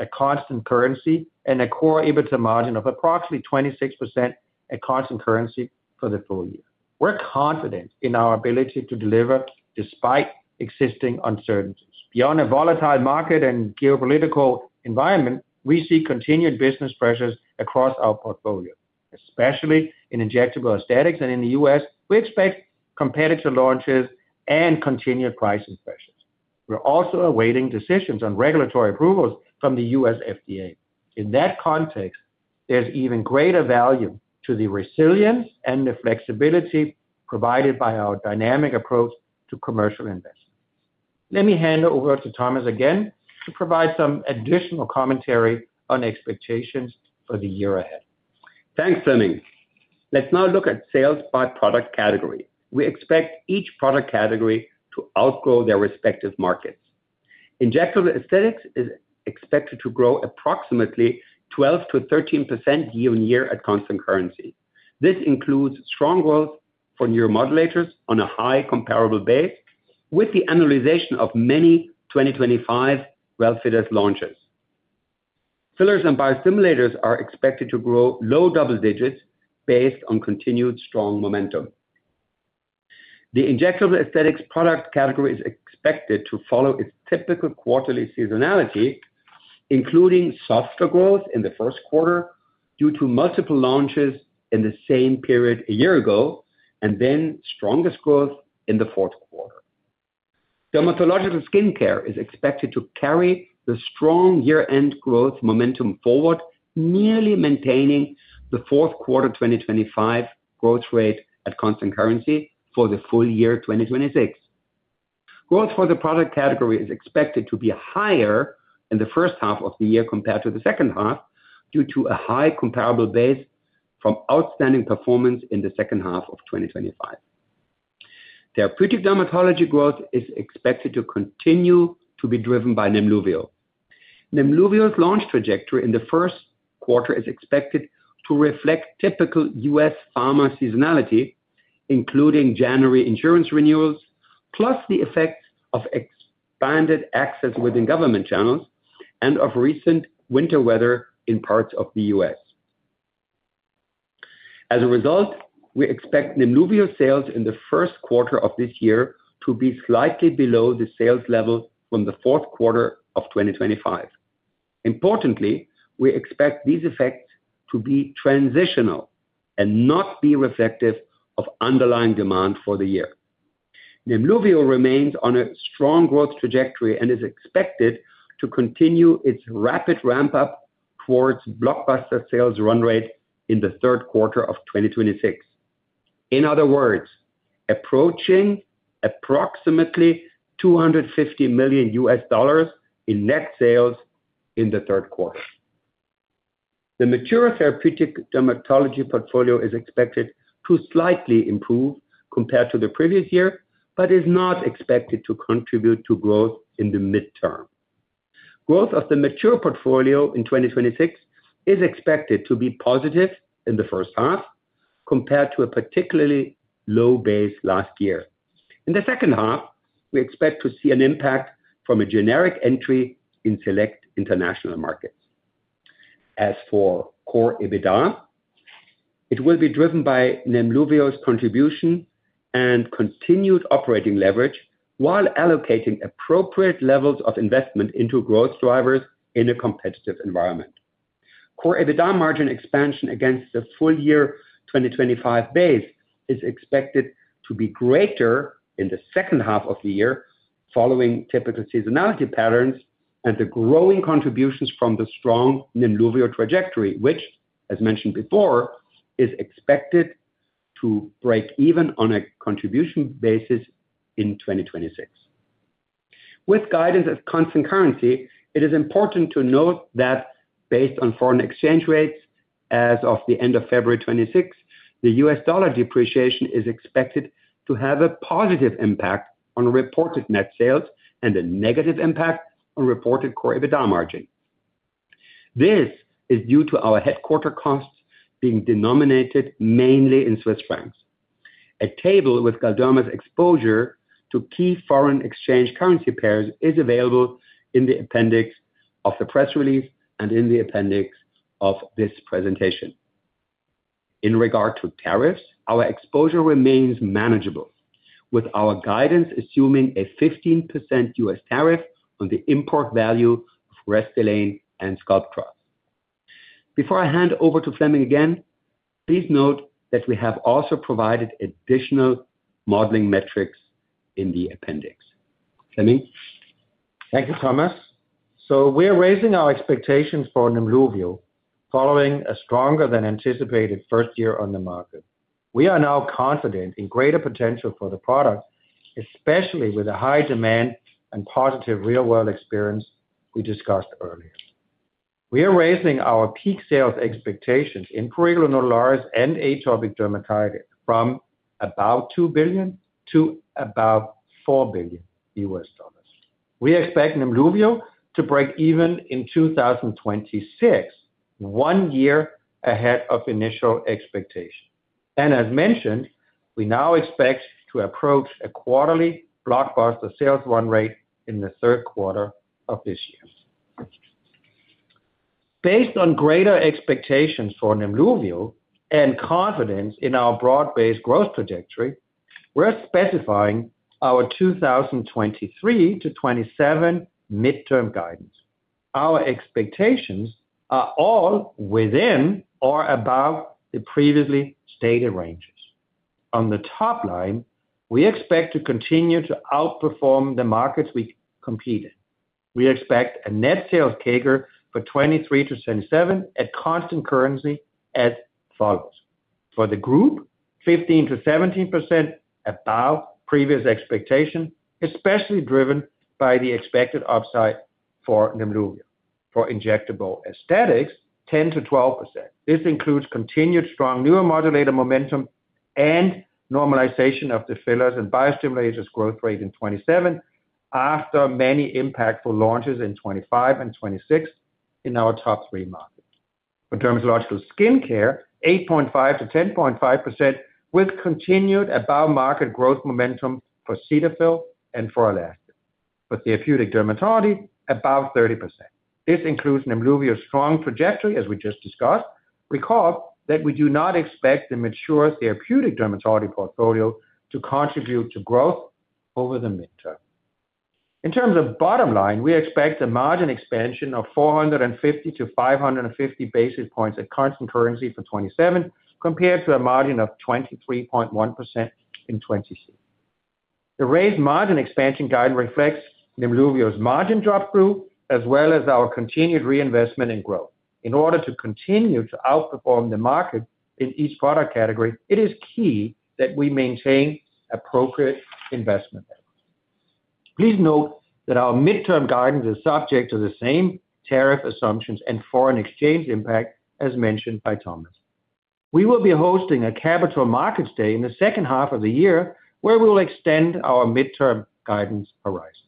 at constant currency and a core EBITDA margin of approximately 26% at constant currency for the full year. We're confident in our ability to deliver despite existing uncertainties. Beyond a volatile market and geopolitical environment, we see continued business pressures across our portfolio. Especially in injectable aesthetics and in the U.S., we expect competitor launches and continued pricing pressures. We're also awaiting decisions on regulatory approvals from the U.S. FDA. In that context, there's even greater value to the resilience and the flexibility provided by our dynamic approach to commercial investments. Let me hand over to Thomas again to provide some additional commentary on expectations for the year ahead. Thanks, Flemming. Let's now look at sales by product category. We expect each product category to outgrow their respective markets. Injectable Aesthetics is expected to grow approximately 12%-13% year-on-year at constant currency. This includes strong growth for neuromodulators on a high comparable base with the annualization of many 2025 Relfydess launches. Fillers and biostimulators are expected to grow low double digits based on continued strong momentum. The Injectable Aesthetics product category is expected to follow its typical quarterly seasonality, including softer growth in the first quarter due to multiple launches in the same period a year ago, and then strongest growth in the fourth quarter. Dermatological Skincare is expected to carry the strong year-end growth momentum forward, nearly maintaining the fourth quarter of 2025 growth rate at constant currency for the full year 2026. Growth for the product category is expected to be higher in the first half of the year compared to the second half, due to a high comparable base from outstanding performance in the second half of 2025. Therapeutic dermatology growth is expected to continue to be driven by Nemluvio. Nemluvio's launch trajectory in the first quarter is expected to reflect typical U.S. pharma seasonality, including January insurance renewals, plus the effect of expanded access within government channels and of recent winter weather in parts of the U.S. As a result, we expect Nemluvio sales in the first quarter of this year to be slightly below the sales level from the fourth quarter of 2025. Importantly, we expect these effects to be transitional and not be reflective of underlying demand for the year. Nemluvio remains on a strong growth trajectory and is expected to continue its rapid ramp-up towards blockbuster sales run rate in the third quarter of 2026. In other words, approaching approximately $250 million in net sales in the third quarter. The mature therapeutic dermatology portfolio is expected to slightly improve compared to the previous year, but is not expected to contribute to growth in the midterm. Growth of the mature portfolio in 2026 is expected to be positive in the first half compared to a particularly low base last year. In the second half, we expect to see an impact from a generic entry in select international markets. As for core EBITDA, it will be driven by Nemluvio's contribution and continued operating leverage while allocating appropriate levels of investment into growth drivers in a competitive environment. Core EBITDA margin expansion against the full year 2025 base is expected to be greater in the second half of the year following typical seasonality patterns and the growing contributions from the strong Nemluvio trajectory, which, as mentioned before, is expected to break even on a contribution basis in 2026. With guidance of constant currency, it is important to note that based on foreign exchange rates as of the end of February 26, the U.S. dollar depreciation is expected to have a positive impact on reported net sales and a negative impact on reported core EBITDA margin. This is due to our headquarter costs being denominated mainly in Swiss francs. A table with Galderma's exposure to key foreign exchange currency pairs is available in the appendix of the press release and in the appendix of this presentation. In regard to tariffs, our exposure remains manageable, with our guidance assuming a 15% U.S. tariff on the import value of Restylane and Sculptra. Before I hand over to Flemming again Please note that we have also provided additional modeling metrics in the appendix. Flemming? Thank you, Thomas. We're raising our expectations for Nemluvio following a stronger than anticipated first year on the market. We are now confident in greater potential for the product, especially with the high demand and positive real-world experience we discussed earlier. We are raising our peak sales expectations in prurigo nodularis and atopic dermatitis from about $2 billion to about $4 billion. We expect Nemluvio to break even in 2026, one year ahead of initial expectation. As mentioned, we now expect to approach a quarterly blockbuster sales run rate in the third quarter of this year. Based on greater expectations for Nemluvio and confidence in our broad-based growth trajectory, we're specifying our 2023-2027 midterm guidance. Our expectations are all within or above the previously stated ranges. On the top line, we expect to continue to outperform the markets we compete in. We expect a net sales CAGR for 2023-2027 at constant currency as follows: For the group, 15%-17% above previous expectation, especially driven by the expected upside for Nemluvio. For injectable Aesthetics, 10%-12%. This includes continued strong neuromodulator momentum and normalization of the fillers and biostimulators growth rate in 2027 after many impactful launches in 2025 and 2026 in our top three markets. For dermatological skincare, 8.5%-10.5%, with continued above market growth momentum for Cetaphil and for Alastin. For therapeutic dermatology, above 30%. This includes Nemluvio's strong trajectory, as we just discussed. Recall that we do not expect the mature therapeutic dermatology portfolio to contribute to growth over the midterm. In terms of bottom line, we expect a margin expansion of 450-550 basis points at constant currency for 2027, compared to a margin of 23.1% in 2026. The raised margin expansion guide reflects Nemluvio's margin drop through, as well as our continued reinvestment in growth. In order to continue to outperform the market in each product category, it is key that we maintain appropriate investment levels. Please note that our midterm guidance is subject to the same tariff assumptions and foreign exchange impact as mentioned by Thomas. We will be hosting a capital markets day in the second half of the year where we will extend our midterm guidance horizons.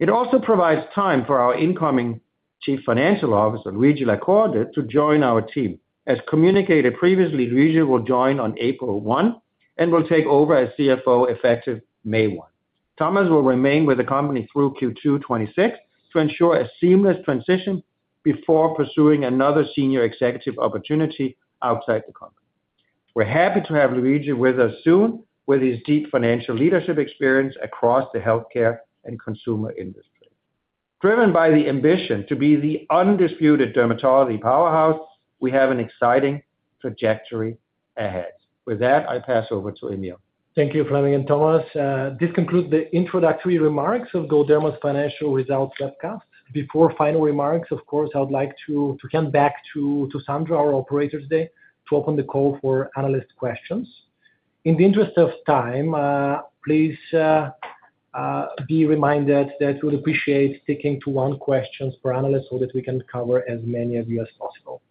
It also provides time for our incoming Chief Financial Officer, Luigi La Corte, to join our team. As communicated previously, Luigi will join on April 1 and will take over as CFO effective May 1. Thomas will remain with the company through Q2 2026 to ensure a seamless transition before pursuing another senior executive opportunity outside the company. We're happy to have Luigi with us soon with his deep financial leadership experience across the healthcare and consumer industry. Driven by the ambition to be the undisputed dermatology powerhouse, we have an exciting trajectory ahead. With that, I pass over to Emil. Thank you, Flemming and Thomas. This concludes the introductory remarks of Galderma's financial results webcast. Before final remarks, of course, I would like to come back to Sandra, our operator today, to open the call for analyst questions. In the interest of time, please be reminded that we'd appreciate sticking to one questions per analyst so that we can cover as many of you as possible.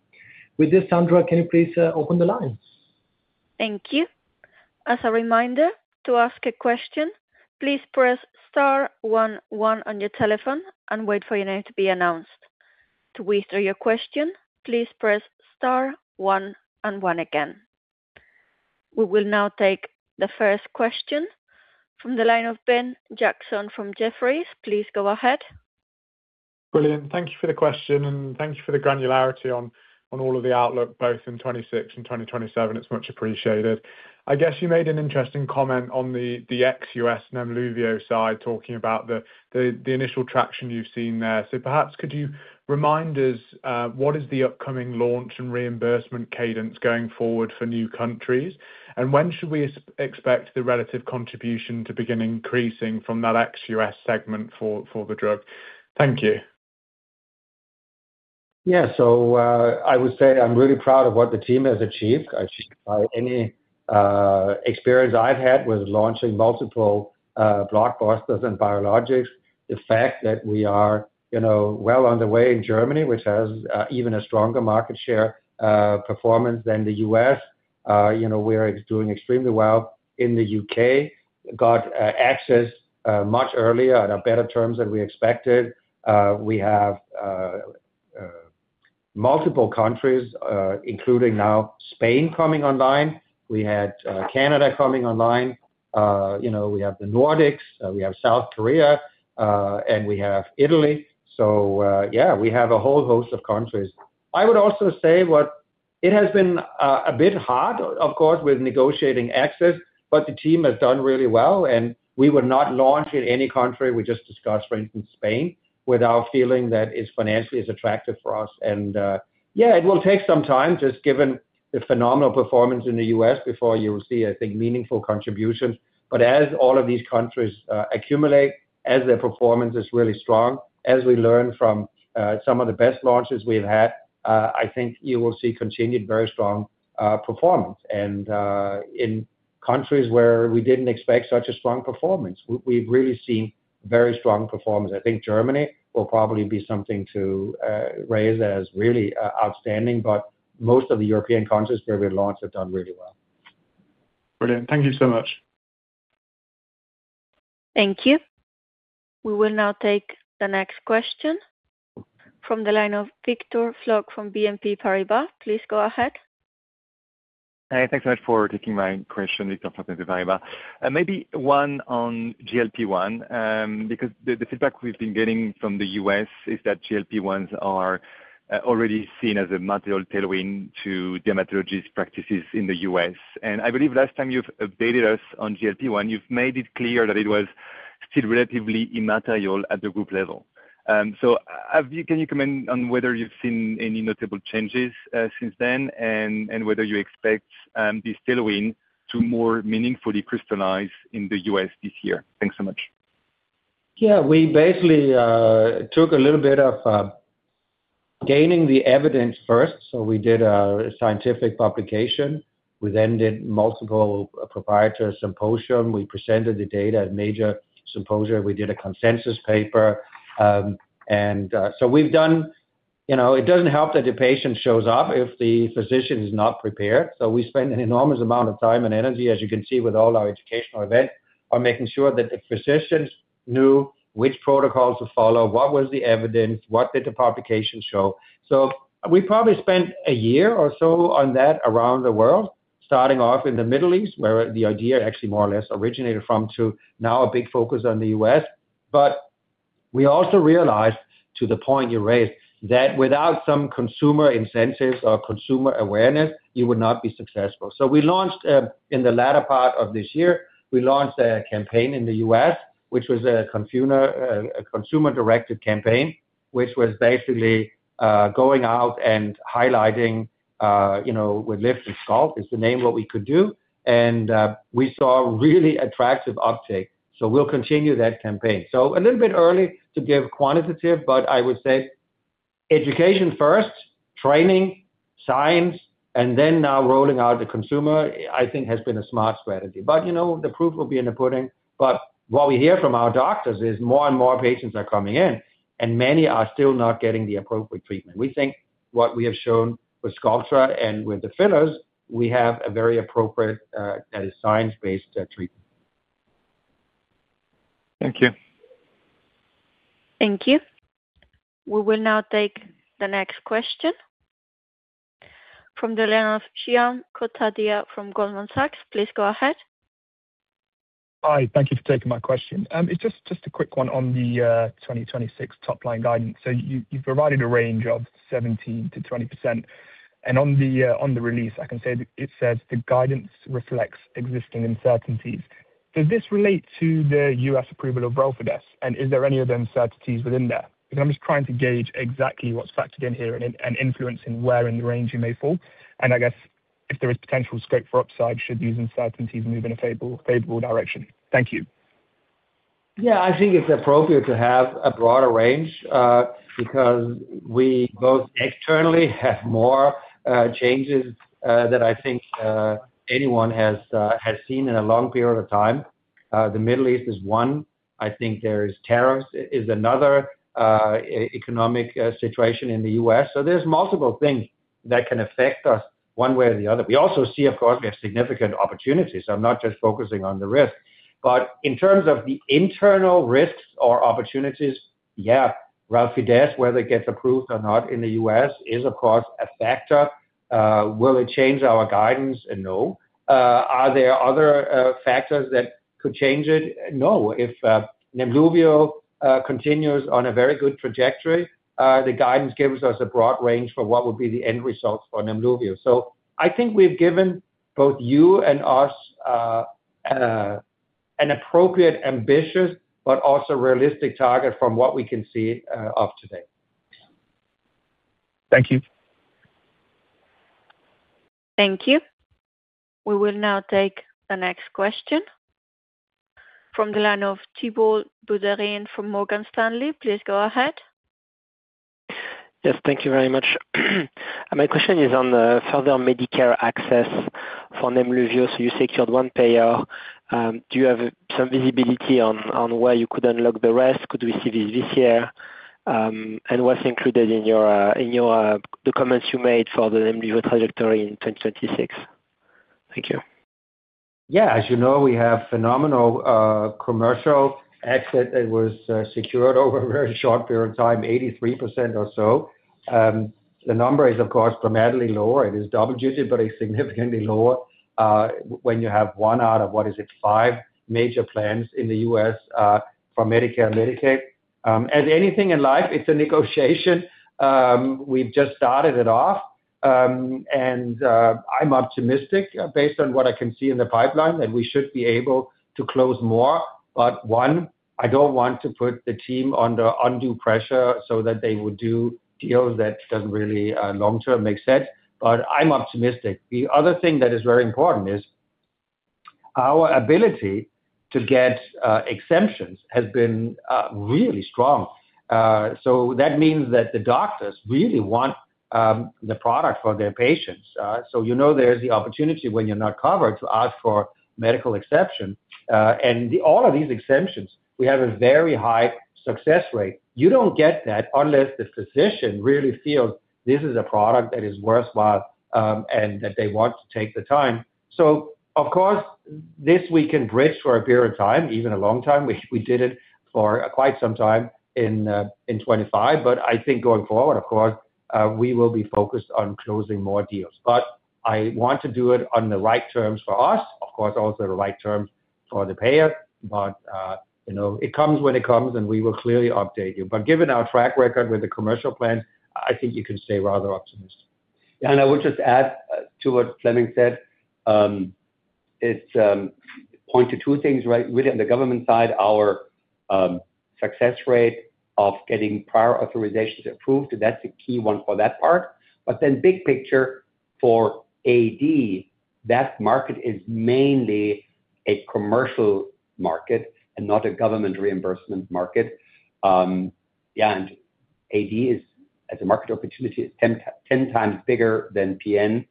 With this, Sandra, can you please open the lines? Thank you. As a reminder, to ask a question, please press star one one on your telephone and wait for your name to be announced. To withdraw your question, please press star one and one again. We will now take the 1st question from the line of Ben Jackson from Jefferies. Please go ahead. Brilliant. Thank you for the question, thank you for the granularity on all of the outlook, both in 2026 and 2027. It's much appreciated. I guess you made an interesting comment on the ex-U.S. Nemluvio side, talking about the initial traction you've seen there. Perhaps could you remind us what is the upcoming launch and reimbursement cadence going forward for new countries? When should we expect the relative contribution to begin increasing from that ex-U.S. segment for the drug? Thank you. I would say I'm really proud of what the team has achieved. I think by any experience I've had with launching multiple blockbusters and biologics, the fact that we are, you know, well on the way in Germany, which has even a stronger market share performance than the U.S. You know, we're doing extremely well in the U.K., got access much earlier on better terms than we expected. We have multiple countries, including now Spain coming online. We had Canada coming online. You know, we have the Nordics, we have South Korea, and we have Italy. Yeah, we have a whole host of countries. I would also say what it has been a bit hard of course with negotiating access, but the team has done really well. We would not launch in any country we just discussed, for instance, Spain, without feeling that it's financially as attractive for us. It will take some time just given the phenomenal performance in the U.S. before you will see, I think, meaningful contributions. As all of these countries accumulate, as their performance is really strong, as we learn from some of the best launches we've had, I think you will see continued very strong performance. In countries where we didn't expect such a strong performance, we've really seen very strong performance. I think Germany will probably be something to raise as really outstanding, but most of the European countries where we launched have done really well. Brilliant. Thank you so much. Thank you. We will now take the next question from the line of Victor Floch from BNP Paribas. Please go ahead. Hey, thanks so much for taking my question, Victor Floch, BNP Paribas. Maybe one on GLP-1, because the feedback we've been getting from the U.S. is that GLP-1s are already seen as a material tailwind to dermatologists' practices in the U.S. I believe last time you've updated us on GLP-1, you've made it clear that it was still relatively immaterial at the group level. So can you comment on whether you've seen any notable changes since then? And whether you expect this tailwind to more meaningfully crystallize in the U.S. this year? Thanks so much. Yeah. We basically, took a little bit of gaining the evidence first. We did a scientific publication. We then did multiple proprietary symposium. We presented the data at major symposia. We did a consensus paper. You know, it doesn't help that the patient shows up if the physician is not prepared. We spend an enormous amount of time and energy, as you can see, with all our educational events on making sure that the physicians knew which protocols to follow, what was the evidence, what did the publication show. We probably spent a year or so on that around the world, starting off in the Middle East, where the idea actually more or less originated from to now a big focus on the U.S. We also realized, to the point you raised, that without some consumer incentives or consumer awareness, you would not be successful. We launched, in the latter part of this year, we launched a campaign in the U.S., which was a consumer, a consumer-directed campaign, which was basically, going out and highlighting, you know, with Lift & Sculpt is the name, what we could do. We saw really attractive uptake, so we'll continue that campaign. A little bit early to give quantitative, but I would say education first, training, science, and then now rolling out the consumer, I think has been a smart strategy. You know, the proof will be in the pudding. What we hear from our doctors is more and more patients are coming in, and many are still not getting the appropriate treatment. We think what we have shown with Sculptra and with the fillers, we have a very appropriate, that is science-based, treatment. Thank you. Thank you. We will now take the next question from the line of Shyam Kotadia from Goldman Sachs. Please go ahead. Hi. Thank you for taking my question. It's just a quick one on the 2026 top line guidance. You've provided a range of 17%-20%. On the release, I can say it says the guidance reflects existing uncertainties. Does this relate to the U.S. approval of Relfydess? Is there any other uncertainties within that? I'm just trying to gauge exactly what's factored in here and influencing where in the range you may fall. I guess if there is potential scope for upside, should these uncertainties move in a favorable direction? Thank you. Yeah. I think it's appropriate to have a broader range, because we both externally have more changes than I think anyone has seen in a long period of time. The Middle East is one. I think there is tariffs is another, economic situation in the U.S. There's multiple things that can affect us one way or the other. We also see, of course, we have significant opportunities. I'm not just focusing on the risks. In terms of the internal risks or opportunities, yeah, Relfydess, whether it gets approved or not in the U.S. is of course a factor. Will it change our guidance? No. Are there other factors that could change it? No. If, Nemluvio, continues on a very good trajectory, the guidance gives us a broad range for what would be the end results for Nemluvio. I think we've given both you and us, an appropriate ambitious but also realistic target from what we can see, of today. Thank you. Thank you. We will now take the next question from the line of Thibault Boutherin from Morgan Stanley. Please go ahead. Yes. Thank you very much. My question is on the further Medicare access for Nemluvio. You secured one payer. Do you have some visibility on where you could unlock the rest? Could we see this year? What's included in your the comments you made for the Nemluvio trajectory in 2026? Thank you. Yeah. As you know, we have phenomenal commercial access that was secured over a very short period of time, 83% or so. The number is, of course, dramatically lower. It is double digit, but it's significantly lower, when you have one out of, what is it, five major plans in the U.S., for Medicare and Medicaid. As anything in life, it's a negotiation. We've just started it off. I'm optimistic based on what I can see in the pipeline, that we should be able to close more. I don't want to put the team under undue pressure so that they would do deals that doesn't really long-term make sense, but I'm optimistic. The other thing that is very important is our ability to get exemptions, has been really strong. That means that the doctors really want the product for their patients. You know there's the opportunity when you're not covered to ask for medical exception. All of these exemptions, we have a very high success rate. You don't get that unless the physician really feels this is a product that is worthwhile and that they want to take the time. Of course, this we can bridge for a period of time, even a long time. We did it for quite some time in 2025, but I think going forward, of course, we will be focused on closing more deals. I want to do it on the right terms for us, of course, also the right terms for the payer. You know, it comes when it comes, and we will clearly update you. Given our track record with the commercial plan, I think you can stay rather optimistic. I would just add to what Flemming said, it's two things, right? With the government side, our success rate of getting prior authorizations approved, that's a key one for that part. Big picture for AD, that market is mainly a commercial market and not a government reimbursement market. AD is, as a market opportunity, is 10x bigger than PN,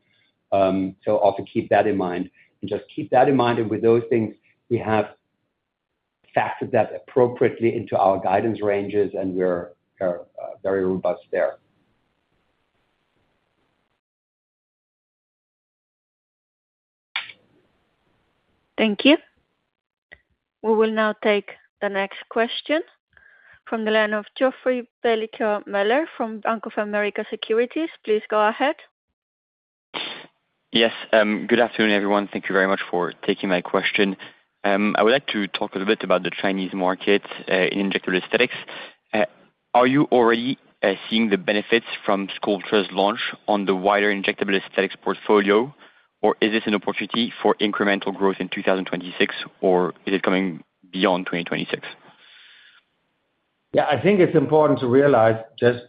so also keep that in mind. Just keep that in mind, and with those things, we have factored that appropriately into our guidance ranges, and we're very robust there. Thank you. We will now take the next question from the line of [Jeffrey Miller] from Bank of America Securities. Please go ahead. Yes. Good afternoon, everyone. Thank you very much for taking my question. I would like to talk a little bit about the Chinese market in injectable aesthetics. Are you already seeing the benefits from Sculptra's launch on the wider injectable aesthetics portfolio, or is this an opportunity for incremental growth in 2026 or is it coming beyond 2026? Yeah, I think it's important to realize just,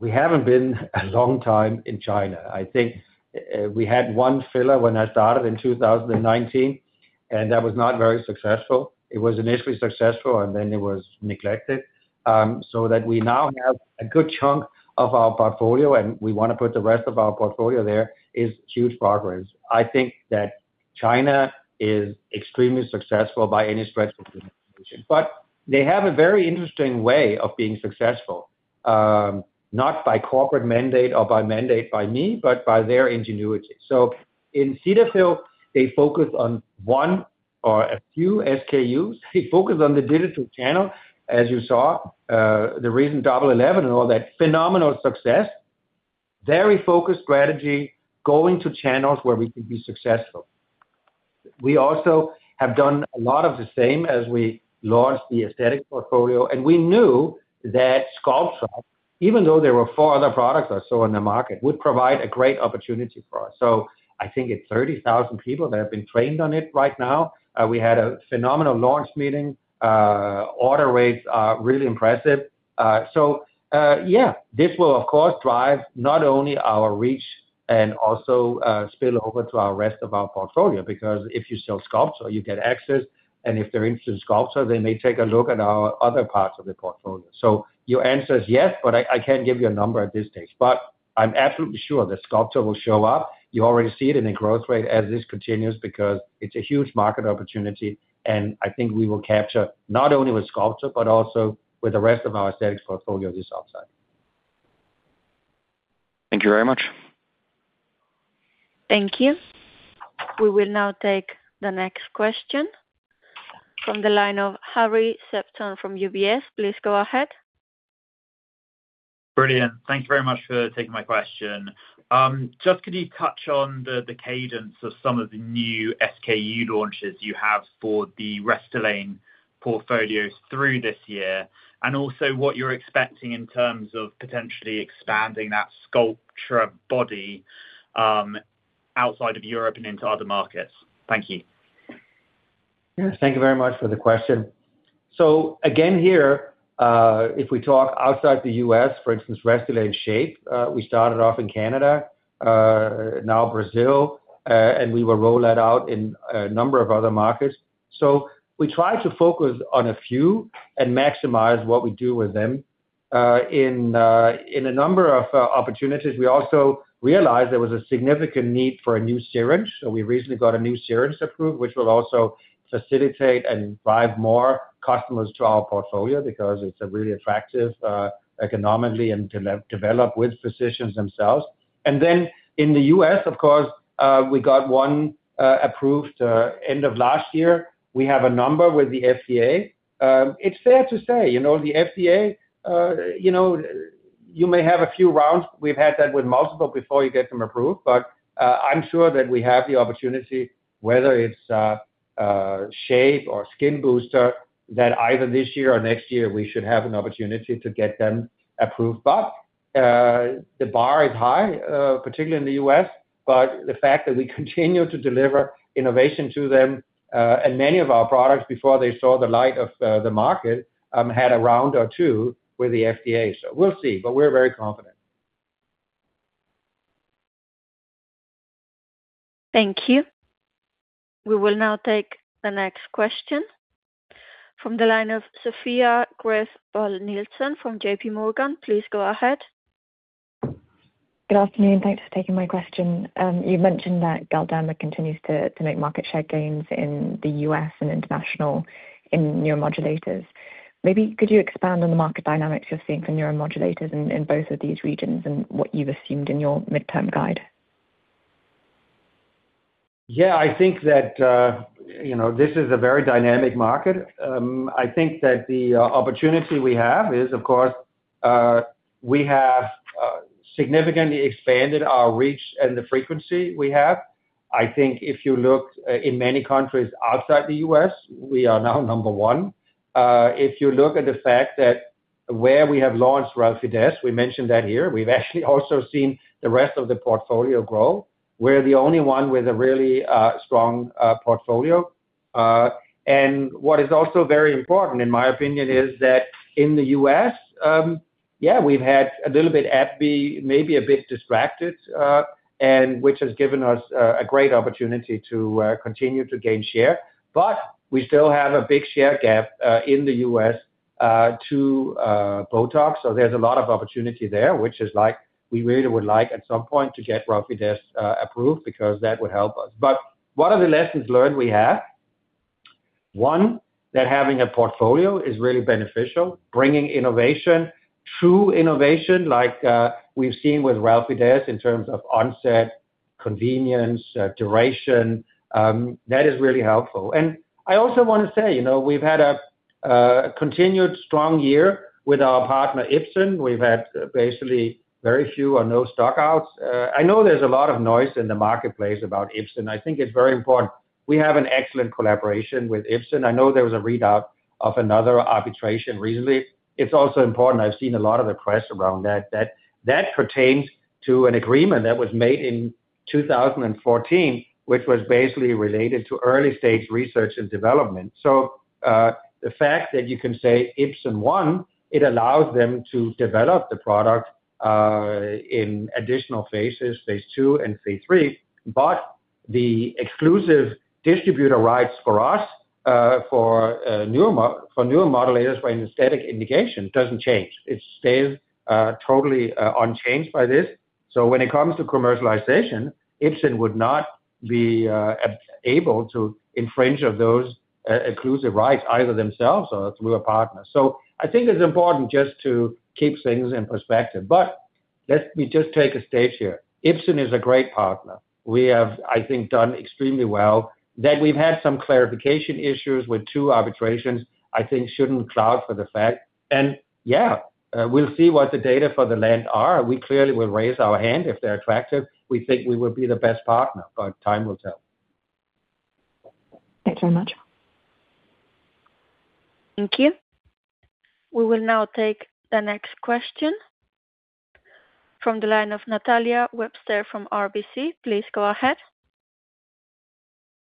we haven't been a long time in China. I think, we had one filler when I started in 2019, and that was not very successful. It was initially successful, and then it was neglected. That we now have a good chunk of our portfolio, and we want to put the rest of our portfolio there, is huge progress. I think that China is extremely successful by any stretch of the imagination, but they have a very interesting way of being successful. Not by corporate mandate or by mandate by me, but by their ingenuity. In Cetaphil, they focus on one or a few SKUs. They focus on the digital channel, as you saw, the recent Double Eleven and all that. Phenomenal success. Very focused strategy, going to channels where we could be successful. We also have done a lot of the same as we launched the Aesthetics portfolio, and we knew that Sculptra, even though there were four other products or so in the market, would provide a great opportunity for us. I think it's 30,000 people that have been trained on it right now. We had a phenomenal launch meeting. Order rates are really impressive. Yeah, this will of course drive not only our reach and also spill over to our rest of our portfolio, because if you sell Sculptra, you get access, and if they're interested in Sculptra, they may take a look at our other parts of the portfolio. Your answer is yes, but I can't give you a number at this stage. I'm absolutely sure that Sculptra will show up. You already see it in the growth rate as this continues because it's a huge market opportunity, I think we will capture not only with Sculptra, but also with the rest of our Aesthetics portfolio this upside. Thank you very much. Thank you. We will now take the next question from the line of Harry Sephton from UBS. Please go ahead. Brilliant. Thank you very much for taking my question. Just could you touch on the cadence of some of the new SKU launches you have for the Restylane portfolios through this year, and also what you're expecting in terms of potentially expanding that Sculptra body, outside of Europe and into other markets? Thank you. Yes. Thank you very much for the question. Again here, if we talk outside the U.S., for instance, Restylane SHAYPE, we started off in Canada, now Brazil, and we will roll that out in a number of other markets. We try to focus on a few and maximize what we do with them. In a number of opportunities, we also realized there was a significant need for a new syringe, so we recently got a new syringe approved, which will also facilitate and drive more customers to our portfolio because it's really attractive, economically and develop with physicians themselves. Then in the U.S., of course, we got one approved end of last year. We have a number with the FDA. It's fair to say, you know, the FDA, you know, you may have a few rounds. We've had that with multiple before you get them approved, but I'm sure that we have the opportunity, whether it's Restylane SHAYPE or skin booster, that either this year or next year we should have an opportunity to get them approved. The bar is high, particularly in the U.S., but the fact that we continue to deliver innovation to them, and many of our products before they saw the light of the market, had a round or two with the FDA. We'll see, but we're very confident. Thank you. We will now take the next question from the line of Sophia Graeff Buhl-Nielsen from JPMorgan. Please go ahead. Good afternoon, thanks for taking my question. You've mentioned that Galderma continues to make market share gains in the U.S. and international in neuromodulators. Maybe could you expand on the market dynamics you're seeing for neuromodulators in both of these regions and what you've assumed in your midterm guide? Yeah, I think that, you know, this is a very dynamic market. I think that the opportunity we have is, of course, we have significantly expanded our reach and the frequency we have. I think if you look in many countries outside the U.S., we are now number one. If you look at the fact that where we have launched Relfydess, we mentioned that here. We've actually also seen the rest of the portfolio grow. We're the only one with a really strong portfolio. What is also very important, in my opinion, is that in the U.S., we've had a little bit AbbVie, maybe a bit distracted, which has given us a great opportunity to continue to gain share, but we still have a big share gap in the U.S. to Botox. There's a lot of opportunity there, which is like we really would like at some point to get Relfydess approved because that would help us. One of the lessons learned we have that having a portfolio is really beneficial. Bringing innovation, true innovation like we've seen with Relfydess in terms of onset, convenience, duration, that is really helpful. I also wanna say, you know, we've had a continued strong year with our partner, Ipsen. We've had basically very few or no stock-outs. I know there's a lot of noise in the marketplace about Ipsen. I think it's very important. We have an excellent collaboration with Ipsen. I know there was a readout of another arbitration recently. It's also important. I've seen a lot of the press around that. That pertains to an agreement that was made in 2014, which was basically related to early stage research and development. The fact that you can say Ipsen, one, it allows them to develop the product in additional Phases, Phase 2 and Phase 3. The exclusive distributor rights for us for neuromodulators by an aesthetic indication doesn't change. It stays totally unchanged by this. When it comes to commercialization, Ipsen would not be able to infringe of those exclusive rights either themselves or through a partner. I think it's important just to keep things in perspective. Let me just take a stage here. Ipsen is a great partner. We have, I think, done extremely well. We've had some clarification issues with two arbitrations I think shouldn't cloud for the fact. Yeah, we'll see what the data for the land are. We clearly will raise our hand if they're attractive. We think we will be the best partner, but time will tell. Thanks very much. Thank you. We will now take the next question from the line of Natalia Webster from RBC. Please go ahead.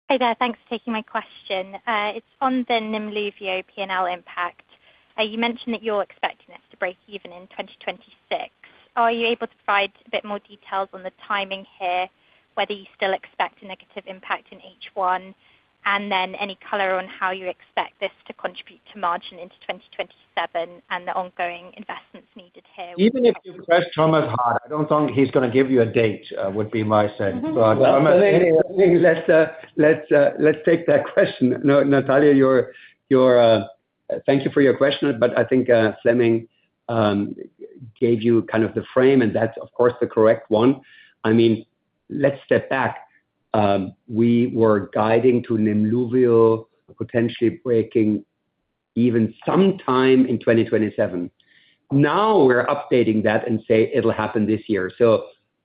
Hey there. Thanks for taking my question. It's on the Nemluvio P&L impact. You mentioned that you're expecting this to break even in 2026. Are you able to provide a bit more details on the timing here, whether you still expect a negative impact in H1, and then any color on how you expect this to contribute to margin into 2027 and the ongoing investments needed here? Even if you press Thomas hard, I don't think he's gonna give you a date, would be my sense. Let's take that question. Natalia, you're, thank you for your question, but I think Flemming gave you kind of the frame, and that's of course the correct one. I mean, let's step back. We were guiding to Nemluvio potentially breaking even some time in 2027. Now we're updating that and say it'll happen this year.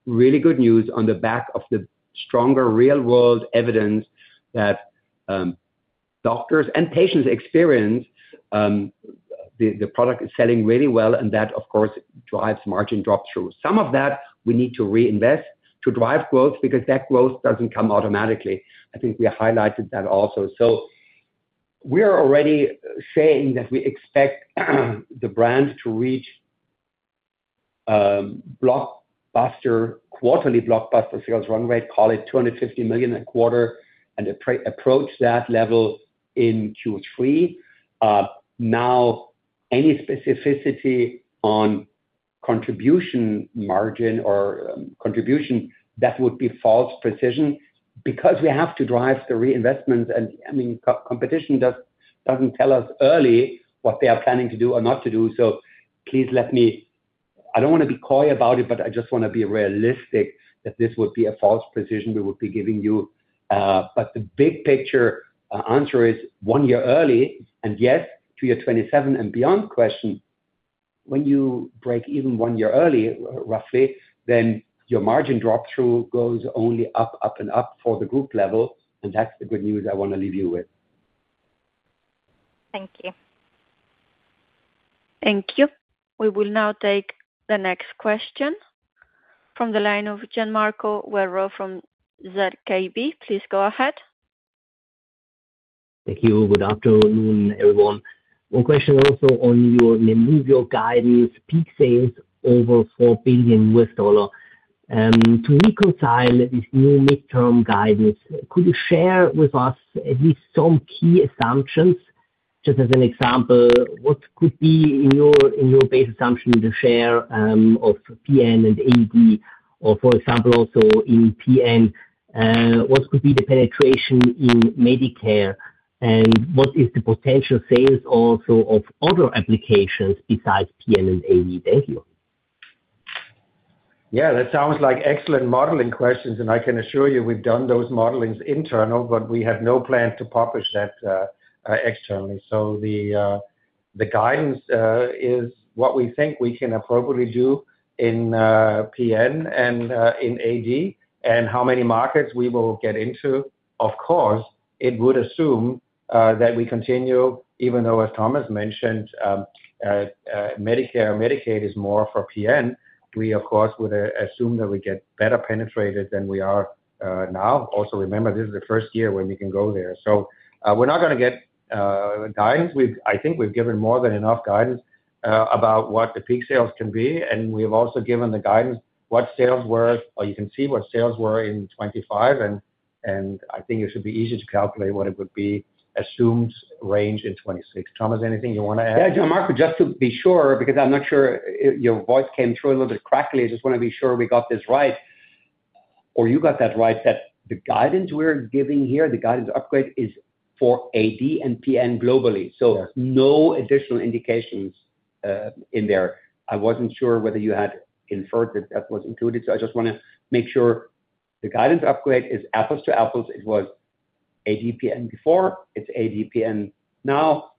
Really good news on the back of the stronger real-world evidence that doctors and patients experience, the product is selling really well, and that of course drives margin drop-through. Some of that we need to reinvest to drive growth because that growth doesn't come automatically. I think we highlighted that also. We are already saying that we expect the brand to reach, blockbuster quarterly, blockbuster sales run rate, call it $250 million a quarter, and approach that level in Q3. Now, any specificity on contribution margin or contribution, that would be false precision because we have to drive the reinvestments and, I mean, competition does, doesn't tell us early what they are planning to do or not to do. Please let me. I don't wanna be coy about it, but I just wanna be realistic that this would be a false precision we would be giving you. The big picture answer is one year early, and yes, to your 2027 and beyond question, when you break even one year early, roughly, then your margin drop-through goes only up, and up for the group level, and that's the good news I wanna leave you with. Thank you. Thank you. We will now take the next question from the line of Gian Marco Werro from ZKB. Please go ahead. Thank you. Good afternoon, everyone. One question also on your Nemluvio guidance peak sales over $4 billion. To reconcile this new midterm guidance, could you share with us at least some key assumptions? Just as an example, what could be in your, in your base assumption, the share of PN and AD, or for example, also in PN, what could be the penetration in Medicare and what is the potential sales also of other applications besides PN and AD? Thank you. Yeah, that sounds like excellent modeling questions. I can assure you we've done those modelings internal. We have no plan to publish that externally. The guidance is what we think we can appropriately do in PN and in AD, and how many markets we will get into. Of course, it would assume that we continue, even though, as Thomas mentioned, Medicare, Medicaid is more for PN. We of course would assume that we get better penetrated than we are now. Remember this is the first year when we can go there. We're not gonna get guidance. I think we've given more than enough guidance about what the peak sales can be. We've also given the guidance, what sales were... You can see what sales were in 2025 and I think it should be easier to calculate what it would be assumed range in 2026. Thomas, anything you want to add? Yeah. Gian Marco, just to be sure, because I'm not sure your voice came through a little bit crackly. I just wanna be sure we got this right or you got that right, that the guidance we're giving here, the guidance upgrade is for AD and PN globally. Yeah. No additional indications in there. I wasn't sure whether you had inferred that that was included. I just wanna make sure the guidance upgrade is apples to apples. It was ADPN before, it's ADPN now.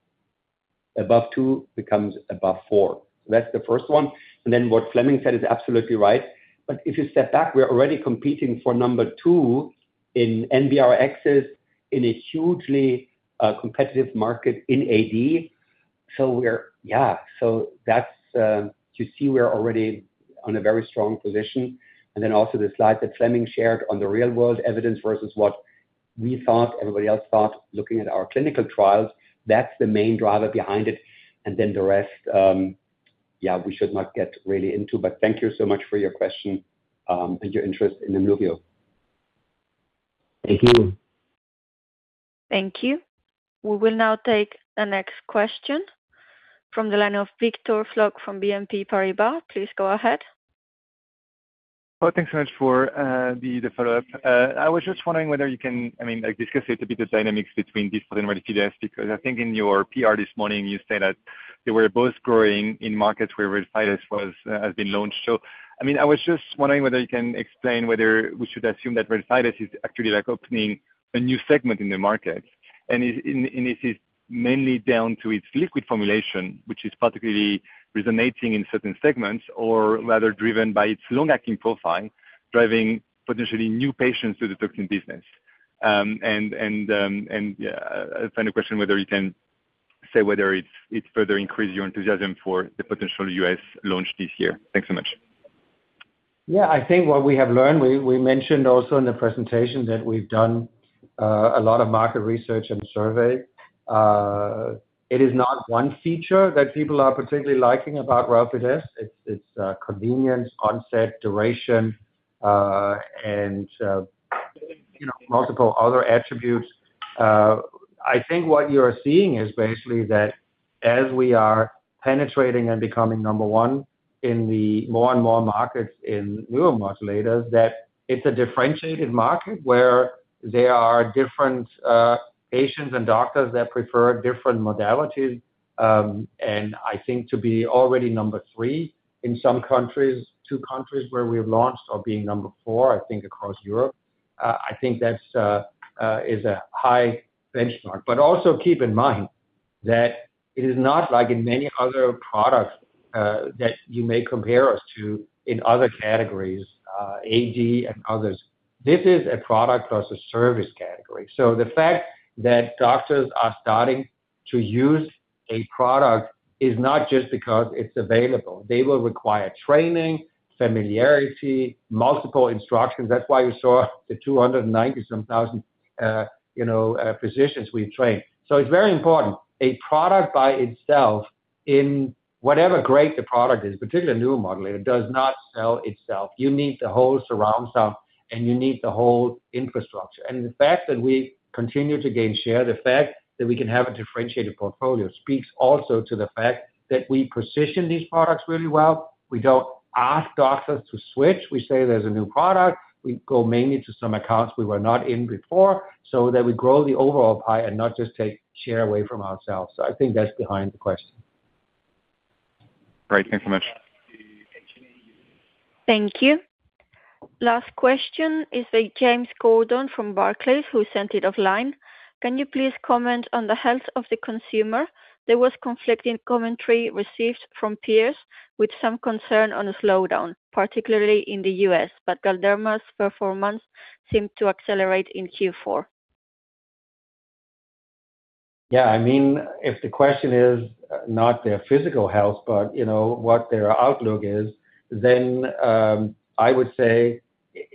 Above two becomes above four. That's the first one. What Flemming said is absolutely right. If you step back, we're already competing for number two in NBRx in a hugely competitive market in AD. You see we're already on a very strong position. Also the slide that Flemming shared on the real-world evidence versus what we thought everybody else thought, looking at our clinical trials, that's the main driver behind it. The rest, we should not get really into. Thank you so much for your question and your interest in Nemluvio. Thank you. Thank you. We will now take the next question from the line of Victor Floch from BNP Paribas. Please go ahead. Thanks so much for the follow-up. I was just wondering whether you can, I mean, like, discuss a little bit the dynamics between different Relfydess because I think in your PR this morning you said that they were both growing in markets where Relfydess was, has been launched. I mean, I was just wondering whether you can explain whether we should assume that Relfydess is actually like opening a new segment in the market and this is mainly down to its liquid formulation, which is particularly resonating in certain segments or rather driven by its long-acting profile, driving potentially new patients to the toxin business. Final question, whether you can say whether it's further increased your enthusiasm for the potential U.S. launch this year. Thanks so much. I think what we have learned, we mentioned also in the presentation that we've done a lot of market research and survey. It is not one feature that people are particularly liking about Relfydess. It's convenience, onset, duration, and, you know, multiple other attributes. I think what you're seeing is basically that as we are penetrating and becoming number 1 in the more and more markets in neuromodulators, that it's a differentiated market where there are different patients and doctors that prefer different modalities, and I think to be already number three in some countries, two countries where we've launched or being number four, I think, across Europe, I think that's a high benchmark. Also keep in mind that it is not like in many other products that you may compare us to in other categories, AD and others. This is a product plus a service category. The fact that doctors are starting to use a product is not just because it's available. They will require training, familiarity, multiple instructions. That's why you saw the 290 some thousand, you know, physicians we've trained. It's very important. A product by itself in whatever great the product is, particularly a neuromodulator, does not sell itself. You need the whole surround sound and you need the whole infrastructure. The fact that we continue to gain share, the fact that we can have a differentiated portfolio speaks also to the fact that we position these products really well. We don't ask doctors to switch. We say there's a new product. We go mainly to some accounts we were not in before so that we grow the overall pie and not just take share away from ourselves. I think that's behind the question. Great. Thanks so much. Thank you. Last question is James Gordon from Barclays who sent it offline. Can you please comment on the health of the consumer? There was conflicting commentary received from peers with some concern on a slowdown, particularly in the U.S. Galderma's performance seemed to accelerate in Q4. I mean, if the question is not their physical health, but, you know, what their outlook is, then I would say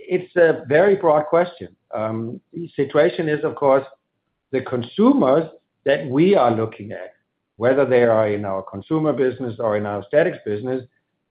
it's a very broad question. The situation is, of course, the consumers that we are looking at, whether they are in our consumer business or in our Aesthetics business,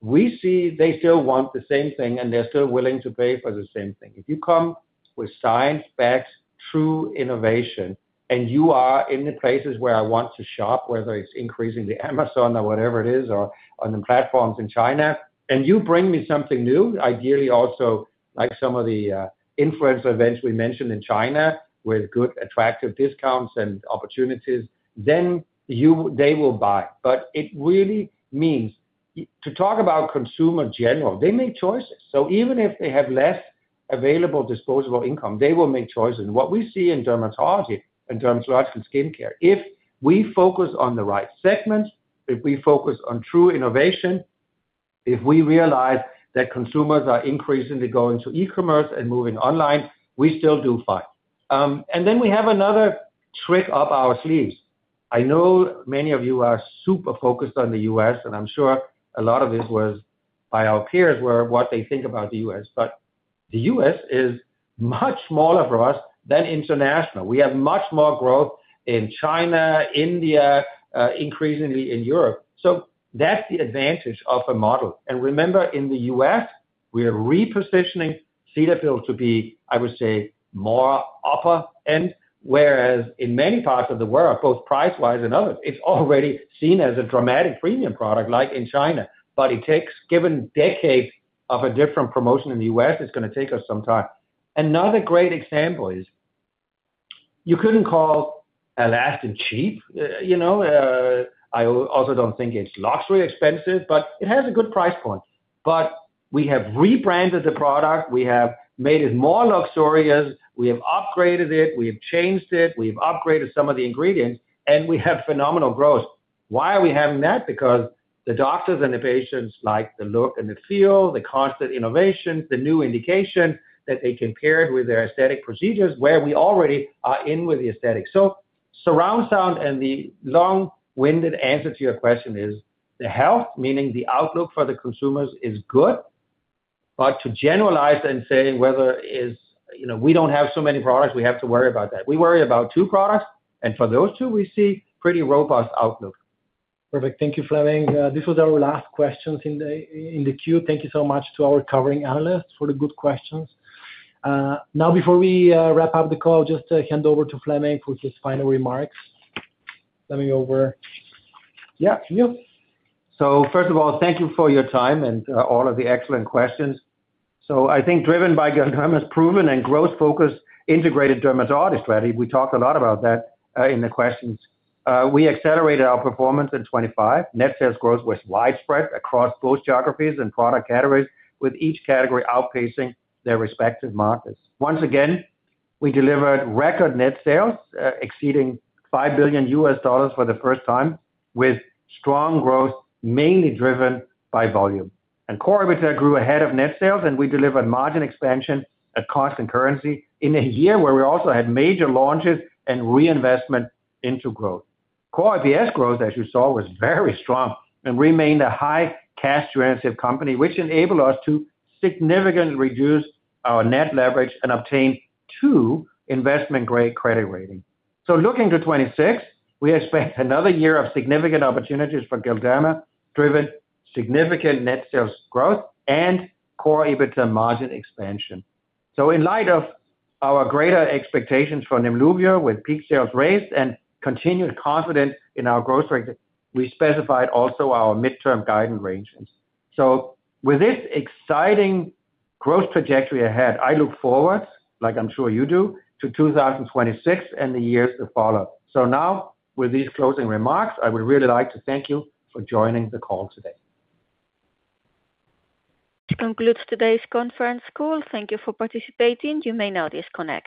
we see they still want the same thing, and they're still willing to pay for the same thing. If you come with science-backed true innovation, and you are in the places where I want to shop, whether it's increasingly Amazon or whatever it is, or on the platforms in China, and you bring me something new, ideally also like some of the influencer events we mentioned in China with good attractive discounts and opportunities, then they will buy. It really means to talk about consumer general, they make choices. Even if they have less available disposable income, they will make choices. What we see in dermatology, in dermatologic skincare, if we focus on the right segments, if we focus on true innovation, if we realize that consumers are increasingly going to e-commerce and moving online, we still do fine. Then we have another trick up our sleeves. I know many of you are super focused on the U.S., and I'm sure a lot of it was by our peers, were what they think about the U.S. The U.S. is much smaller for us than international. We have much more growth in China, India, increasingly in Europe. That's the advantage of a model. Remember, in the U.S., we are repositioning Cetaphil to be, I would say, more upper end, whereas in many parts of the world, both price-wise and others, it's already seen as a dramatic premium product, like in China. It takes, given decades of a different promotion in the U.S., it's gonna take us some time. Another great example is you couldn't call Alastin cheap. You know, I also don't think it's luxury expensive, but it has a good price point. We have rebranded the product. We have made it more luxurious. We have upgraded it. We have changed it. We've upgraded some of the ingredients, and we have phenomenal growth. Why are we having that? The doctors and the patients like the look and the feel, the constant innovation, the new indication that they can pair it with their Aesthetic procedures where we already are in with the Aesthetics. Surround sound and the long-winded answer to your question is the health, meaning the outlook for the consumers is good. To generalize and say you know, we don't have so many products, we have to worry about that. We worry about two products, and for those two, we see pretty robust outlook. Perfect. Thank you, Flemming. This was our last questions in the queue. Thank you so much to our covering analysts for the good questions. Before we wrap up the call, just hand over to Flemming for his final remarks. Flemming over. Yeah, it's you. First of all, thank you for your time and all of the excellent questions. I think driven by Galderma's proven and growth-focused integrated dermatology strategy, we talked a lot about that in the questions. We accelerated our performance in 2025. Net sales growth was widespread across both geographies and product categories, with each category outpacing their respective markets. Once again, we delivered record net sales, exceeding $5 billion for the first time, with strong growth mainly driven by volume. Core EBITDA grew ahead of net sales, and we delivered margin expansion at cost and currency in a year where we also had major launches and reinvestment into growth. Core EPS growth, as you saw, was very strong and remained a high cash-generative company, which enabled us to significantly reduce our net leverage and obtain two investment-grade credit rating. Looking to 2026, we expect another year of significant opportunities for Galderma, driven significant net sales growth and core EBITDA margin expansion. In light of our greater expectations for Nemluvio with peak sales raised and continued confidence in our growth rate, we specified also our midterm guidance ranges. With this exciting growth trajectory ahead, I look forward, like I'm sure you do, to 2026 and the years to follow. Now with these closing remarks, I would really like to thank you for joining the call today. This concludes today's conference call. Thank you for participating. You may now disconnect.